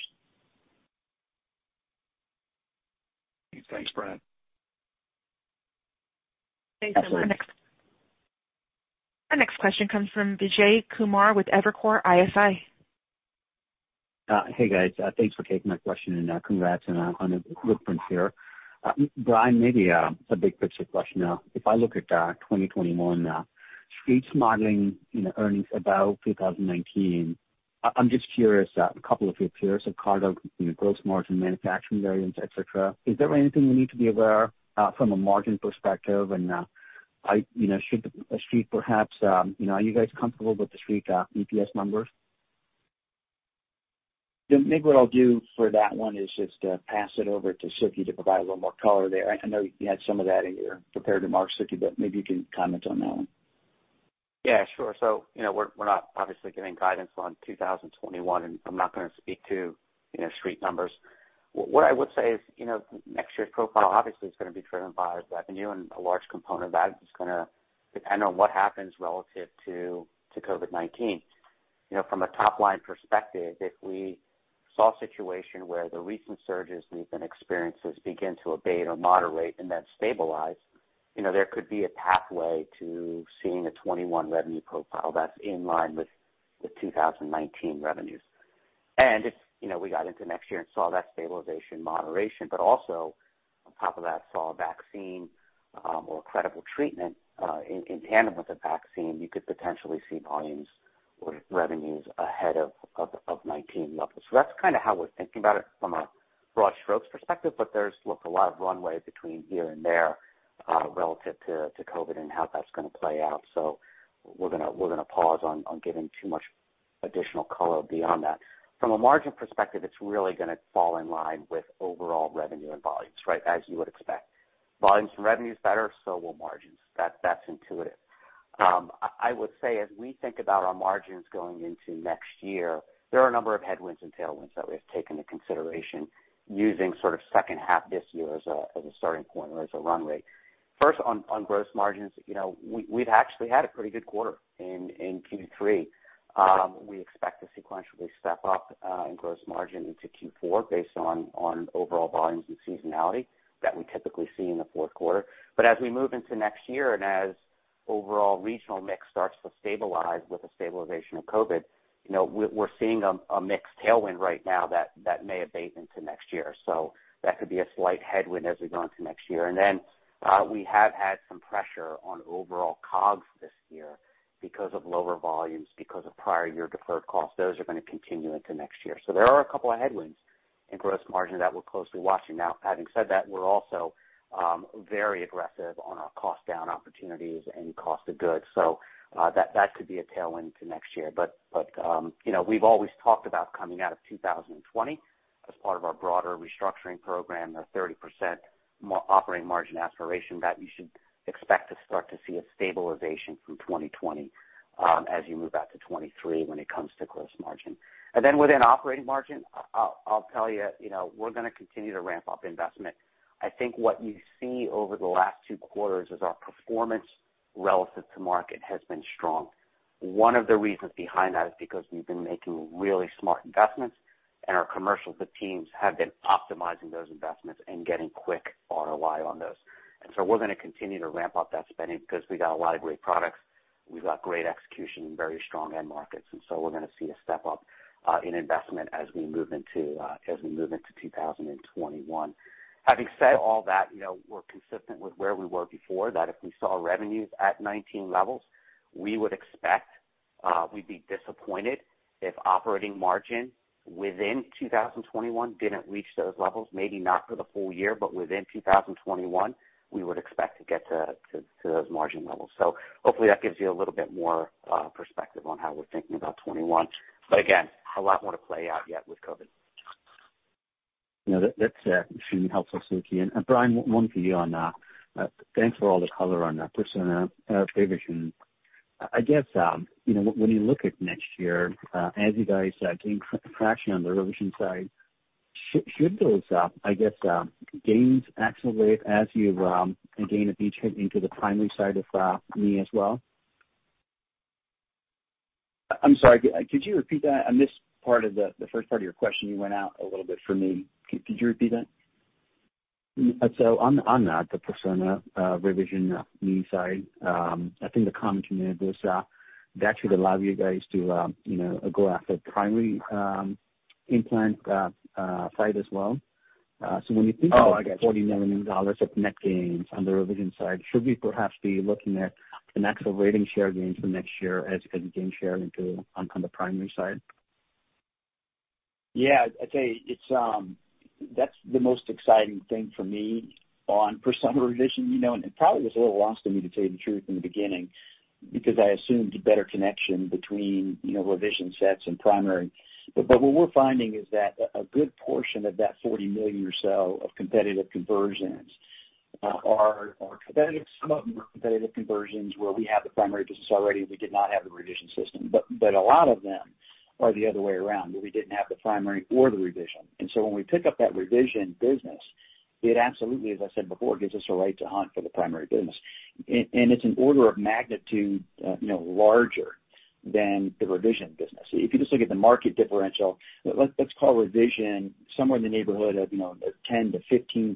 Thanks, Bryan. Thanks. Our next question comes from Vijay Kumar with Evercore ISI. Hey, guys. Thanks for taking my question, and congrats on the footprint here. Bryan, maybe a big picture question. If I look at 2021, Street's modeling earnings about 2019, I'm just curious, a couple of your peers of Cargill, you know, gross margin, manufacturing variance, et cetera, is there anything we need to be aware from a margin perspective? And I, you know, should Street perhaps, you know, are you guys comfortable with the Street EPS numbers? Yeah, maybe what I'll do for that one is just pass it over to Suky to provide a little more color there. I know you had some of that in your prepared remarks, Suky, but maybe you can comment on that one. Yeah, sure. You know, we're not obviously giving guidance on 2021, and I'm not going to speak to, you know, Street numbers. What I would say is, you know, next year's profile obviously is going to be driven by revenue, and a large component of that is going to depend on what happens relative to COVID-19. You know, from a top-line perspective, if we saw a situation where the recent surges we've been experiencing begin to abate or moderate and then stabilize, you know, there could be a pathway to seeing a 2021 revenue profile that's in line with the 2019 revenues. If, you know, we got into next year and saw that stabilization, moderation, but also on top of that, saw a vaccine or credible treatment in tandem with a vaccine, you could potentially see volumes or revenues ahead of 2019 levels. That is kind of how we're thinking about it from a broad strokes perspective, but there is a lot of runway between here and there relative to COVID and how that is going to play out. We are going to pause on giving too much additional color beyond that. From a margin perspective, it is really going to fall in line with overall revenue and volumes, right, as you would expect. Volumes and revenues better, so will margins. That is intuitive. I would say as we think about our margins going into next year, there are a number of headwinds and tailwinds that we have taken into consideration using sort of second half this year as a starting point or as a run rate. First, on gross margins, you know, we have actually had a pretty good quarter in Q3. We expect to sequentially step up in gross margin into Q4 based on overall volumes and seasonality that we typically see in the fourth quarter. As we move into next year and as overall regional mix starts to stabilize with the stabilization of COVID, you know, we're seeing a mixed tailwind right now that may abate into next year. That could be a slight headwind as we go into next year. We have had some pressure on overall COGS this year because of lower volumes, because of prior year deferred costs. Those are going to continue into next year. There are a couple of headwinds in gross margin that we're closely watching. Now, having said that, we're also very aggressive on our cost-down opportunities and cost of goods. That could be a tailwind to next year. You know, we've always talked about coming out of 2020 as part of our broader restructuring program, our 30% operating margin aspiration, that you should expect to start to see a stabilization from 2020 as you move out to 2023 when it comes to gross margin. Then within operating margin, I'll tell you, you know, we're going to continue to ramp up investment. I think what you see over the last two quarters is our performance relative to market has been strong. One of the reasons behind that is because we've been making really smart investments, and our commercial teams have been optimizing those investments and getting quick ROI on those. So, we're going to continue to ramp up that spending because we've got a lot of great products. We've got great execution and very strong end markets. We are going to see a step up in investment as we move into 2021. Having said all that, you know, we are consistent with where we were before, that if we saw revenues at 2019 levels, we would expect we would be disappointed if operating margin within 2021 did not reach those levels, maybe not for the full year, but within 2021, we would expect to get to those margin levels. Hopefully, that gives you a little bit more perspective on how we are thinking about 2021. Again, a lot more to play out yet with COVID. No, that's extremely helpful, Suky. Bryan, one for you on that. Thanks for all the color on that. Persona Revision, I guess, you know, when you look at next year, as you guys are getting traction on the revision side, should those, I guess, gains accelerate as you gain a beachhead into the primary side of knee as well? I'm sorry, could you repeat that? I missed part of the first part of your question. You went out a little bit for me. Could you repeat that? On that, the Persona Revision Knee side, I think the comment you made was that should allow you guys to, you know, go after primary implant site as well. When you think about $40 million of net gains on the revision side, should we perhaps be looking at an actual rating share gain for next year as a gain share into on the primary side? Yeah, I'd say that's the most exciting thing for me on Persona Revision. You know, and it probably was a little lost to me to tell you the truth in the beginning because I assumed a better connection between, you know, revision sets and primary. What we're finding is that a good portion of that $40 million or so of competitive conversions are competitive. Some of them are competitive conversions where we have the primary business already and we did not have the revision system. A lot of them are the other way around where we didn't have the primary or the revision. When we pick up that revision business, it absolutely, as I said before, gives us a right to hunt for the primary business. It's an order of magnitude, you know, larger than the revision business. If you just look at the market differential, let's call revision somewhere in the neighborhood of, you know, 10%-15%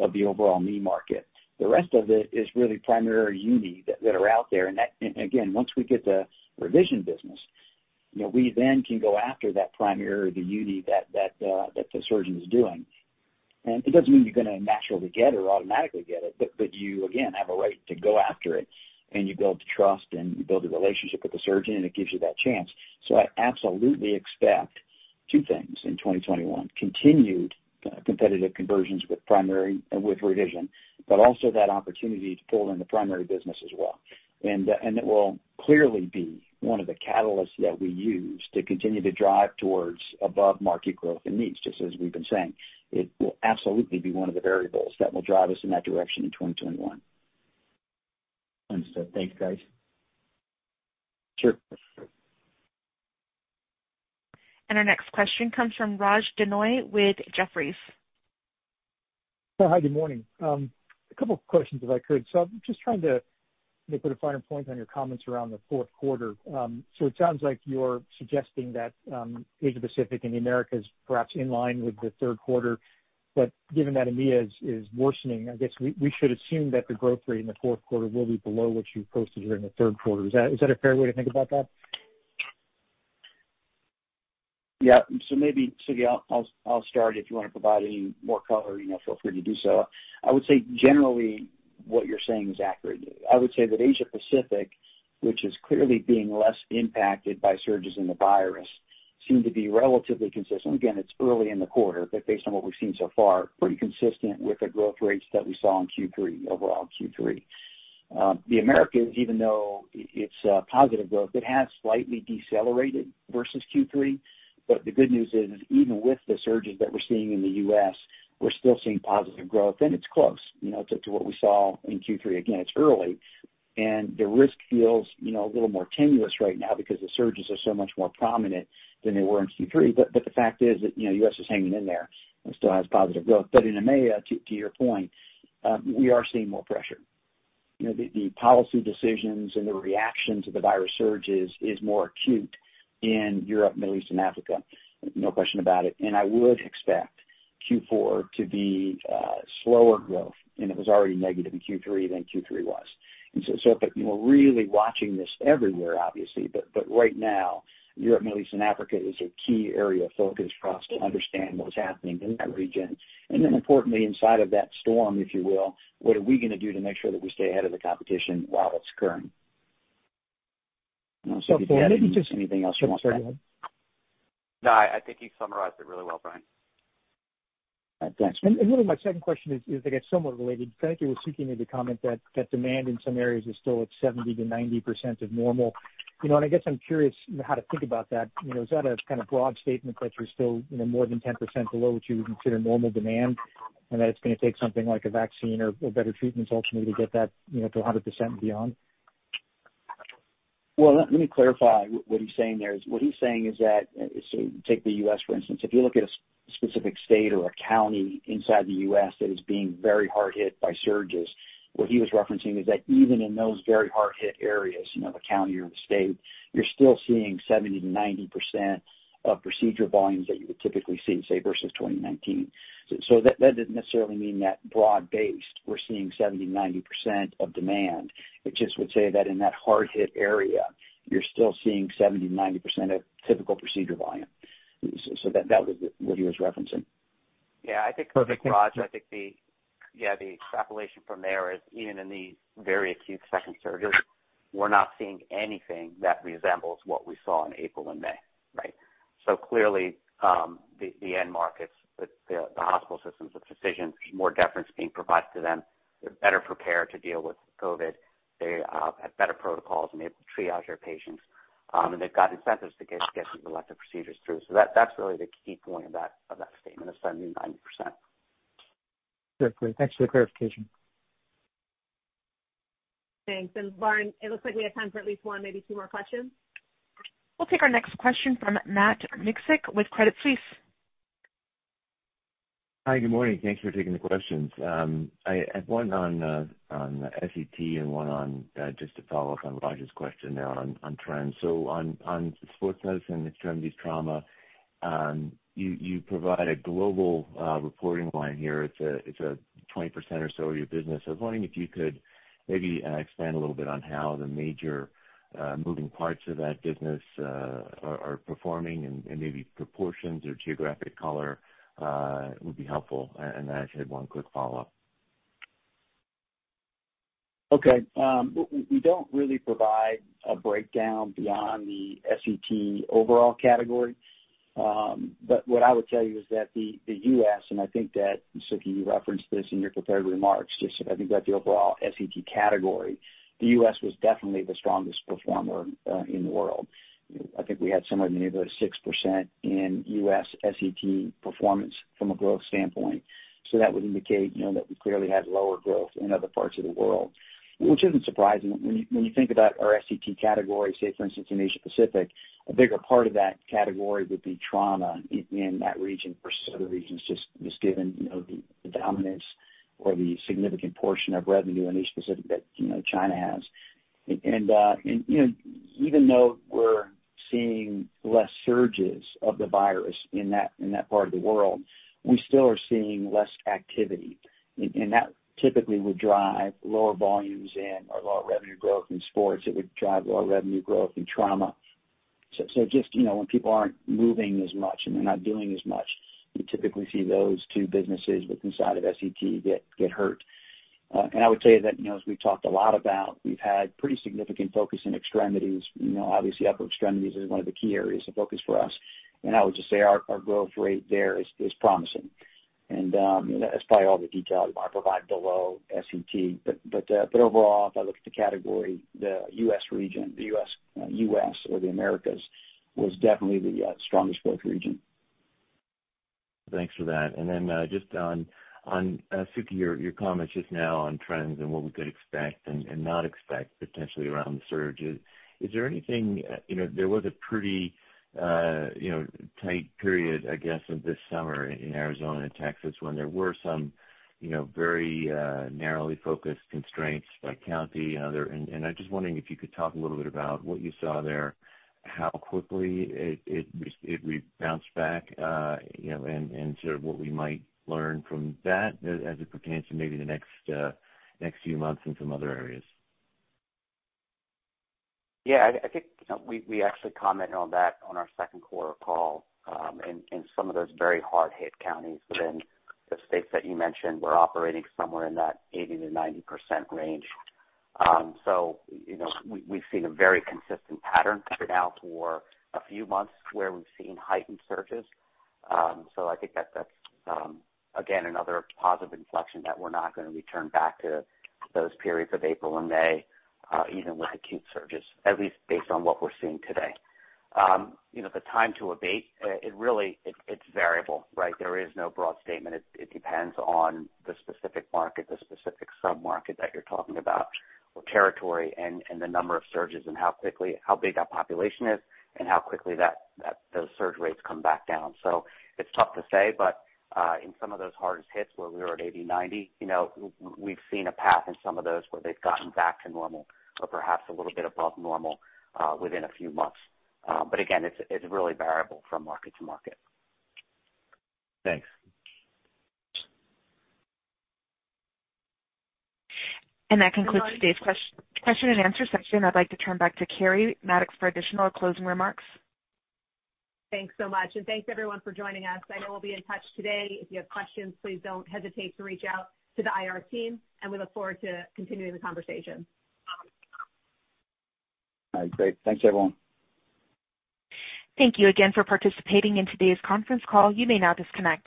of the overall Knee market. The rest of it is really primary or uni that are out there. Again, once we get the revision business, you know, we then can go after that primary or the uni that the surgeon is doing. It doesn't mean you're going to naturally get or automatically get it, but you, again, have a right to go after it and you build trust and you build a relationship with the surgeon and it gives you that chance. I absolutely expect two things in 2021: continued competitive conversions with primary and with revision, but also that opportunity to pull in the primary business as well. It will clearly be one of the catalysts that we use to continue to drive towards above-market growth in knees, just as we've been saying. It will absolutely be one of the variables that will drive us in that direction in 2021. Understood. Thanks, guys. Sure. Our next question comes from Raj Denhoy with Jefferies. Hi, good morning. A couple of questions, if I could. I'm just trying to put a finer point on your comments around the fourth quarter. It sounds like you're suggesting that Asia-Pacific and the Americas perhaps in line with the third quarter. Given that EMEA is worsening, I guess we should assume that the growth rate in the fourth quarter will be below what you posted during the third quarter. Is that a fair way to think about that? Yeah. Maybe, Suky, I'll start. If you want to provide any more color, you know, feel free to do so. I would say generally what you're saying is accurate. I would say that Asia-Pacific, which is clearly being less impacted by surges in the virus, seemed to be relatively consistent. Again, it's early in the quarter, but based on what we've seen so far, pretty consistent with the growth rates that we saw in Q3, overall Q3. The Americas, even though it's positive growth, it has slightly decelerated versus Q3. The good news is, even with the surges that we're seeing in the U.S., we're still seeing positive growth. It's close, you know, to what we saw in Q3. Again, it's early. The risk feels, you know, a little more tenuous right now because the surges are so much more prominent than they were in Q3. The fact is that, you know, the U.S. is hanging in there and still has positive growth. In EMEA, to your point, we are seeing more pressure. You know, the policy decisions and the reaction to the virus surges is more acute in Europe, Middle East, and Africa. No question about it. I would expect Q4 to be slower growth, and it was already negative in Q3 than Q3 was. You know, we're really watching this everywhere, obviously. Right now, Europe, Middle East, and Africa is a key area of focus for us to understand what's happening in that region. Importantly, inside of that storm, if you will, what are we going to do to make sure that we stay ahead of the competition while it's occurring? If you have anything else you want to say? No, I think you summarized it really well, Bryan. Thanks. Really, my second question is, I guess, somewhat related. Thank you for Suky made the comment that demand in some areas is still at 70%-90% of normal. You know, I guess I'm curious how to think about that. You know, is that a kind of broad statement that you're still, you know, more than 10% below what you would consider normal demand, and that it's going to take something like a vaccine or better treatments ultimately to get that, you know, to 100% and beyond? Let me clarify what he's saying there. What he's saying is that, so take the U.S., for instance. If you look at a specific state or a county inside the U.S. that is being very hard hit by surges, what he was referencing is that even in those very hard hit areas, you know, the county or the state, you're still seeing 70%-90% of procedure volumes that you would typically see, say, versus 2019. That does not necessarily mean that broad-based we're seeing 70%-90% of demand. It just would say that in that hard hit area, you're still seeing 70%-90% of typical procedure volume. That was what he was referencing. Yeah, I think, Raj, I think the extrapolation from there is even in these very acute second surges, we're not seeing anything that resembles what we saw in April and May, right? Clearly, the end markets, the hospital systems, the physicians, more deference being provided to them. They're better prepared to deal with COVID. They have better protocols and are able to triage their patients. They've got incentives to get these elective procedures through. That's really the key point of that statement of 70%-90%. Definitely. Thanks for the clarification. Thanks. Lauren, it looks like we have time for at least one, maybe two more questions. We'll take our next question from Matt Miksic with Credit Suisse. Hi, good morning. Thanks for taking the questions. I have one on S.E.T. and one just to follow up on Raj's question there on trends. On sports medicine, extremities, trauma, you provide a global reporting line here. It's a 20% or so of your business. I was wondering if you could maybe expand a little bit on how the major moving parts of that business are performing and maybe proportions or geographic color would be helpful. I just had one quick follow-up. Okay. We do not really provide a breakdown beyond the S.E.T. overall category. What I would tell you is that the U.S., and I think that, Suky, you referenced this in your prepared remarks, just I think that the overall S.E.T. category, the U.S. was definitely the strongest performer in the world. I think we had somewhere in the neighborhood of 6% in U.S. S.E.T. performance from a growth standpoint. That would indicate, you know, that we clearly had lower growth in other parts of the world, which is not surprising. When you think about our S.E.T. category, say, for instance, in Asia-Pacific, a bigger part of that category would be trauma in that region versus other regions, just given, you know, the dominance or the significant portion of revenue in Asia-Pacific that, you know, China has. You know, even though we're seeing less surges of the virus in that part of the world, we still are seeing less activity. That typically would drive lower volumes in or lower revenue growth in sports. It would drive lower revenue growth in trauma. Just, you know, when people aren't moving as much and they're not doing as much, you typically see those two businesses within the side of S.E.T. get hurt. I would tell you that, you know, as we've talked a lot about, we've had pretty significant focus in extremities. Obviously, upper extremities is one of the key areas of focus for us. I would just say our growth rate there is promising. That's probably all the detail I want to provide below S.E.T. Overall, if I look at the category, the U.S. region, the U.S. or the Americas was definitely the strongest growth region. Thanks for that. Just on Suky, your comments just now on trends and what we could expect and not expect potentially around the surges, is there anything, you know, there was a pretty, you know, tight period, I guess, of this summer in Arizona and Texas when there were some, you know, very narrowly focused constraints by county and other. I'm just wondering if you could talk a little bit about what you saw there, how quickly it rebounced back, you know, and sort of what we might learn from that as it pertains to maybe the next few months in some other areas. Yeah, I think we actually commented on that on our second quarter call. Some of those very hard hit counties within the states that you mentioned were operating somewhere in that 80%-90% range. You know, we've seen a very consistent pattern now for a few months where we've seen heightened surges. I think that that's, again, another positive inflection that we're not going to return back to those periods of April and May, even with acute surges, at least based on what we're seeing today. You know, the time to abate, it really, it's variable, right? There is no broad statement. It depends on the specific market, the specific sub-market that you're talking about, or territory and the number of surges and how quickly, how big that population is and how quickly those surge rates come back down. It's tough to say, but in some of those hardest hits where we were at 80, 90, you know, we've seen a path in some of those where they've gotten back to normal or perhaps a little bit above normal within a few months. Again, it's really variable from market to market. Thanks. That concludes today's question and answer session. I'd like to turn back to Keri Mattox for additional closing remarks. Thanks so much. Thanks, everyone, for joining us. I know we'll be in touch today. If you have questions, please do not hesitate to reach out to the IR team. We look forward to continuing the conversation. All right. Great. Thanks, everyone. Thank you again for participating in today's conference call. You may now disconnect.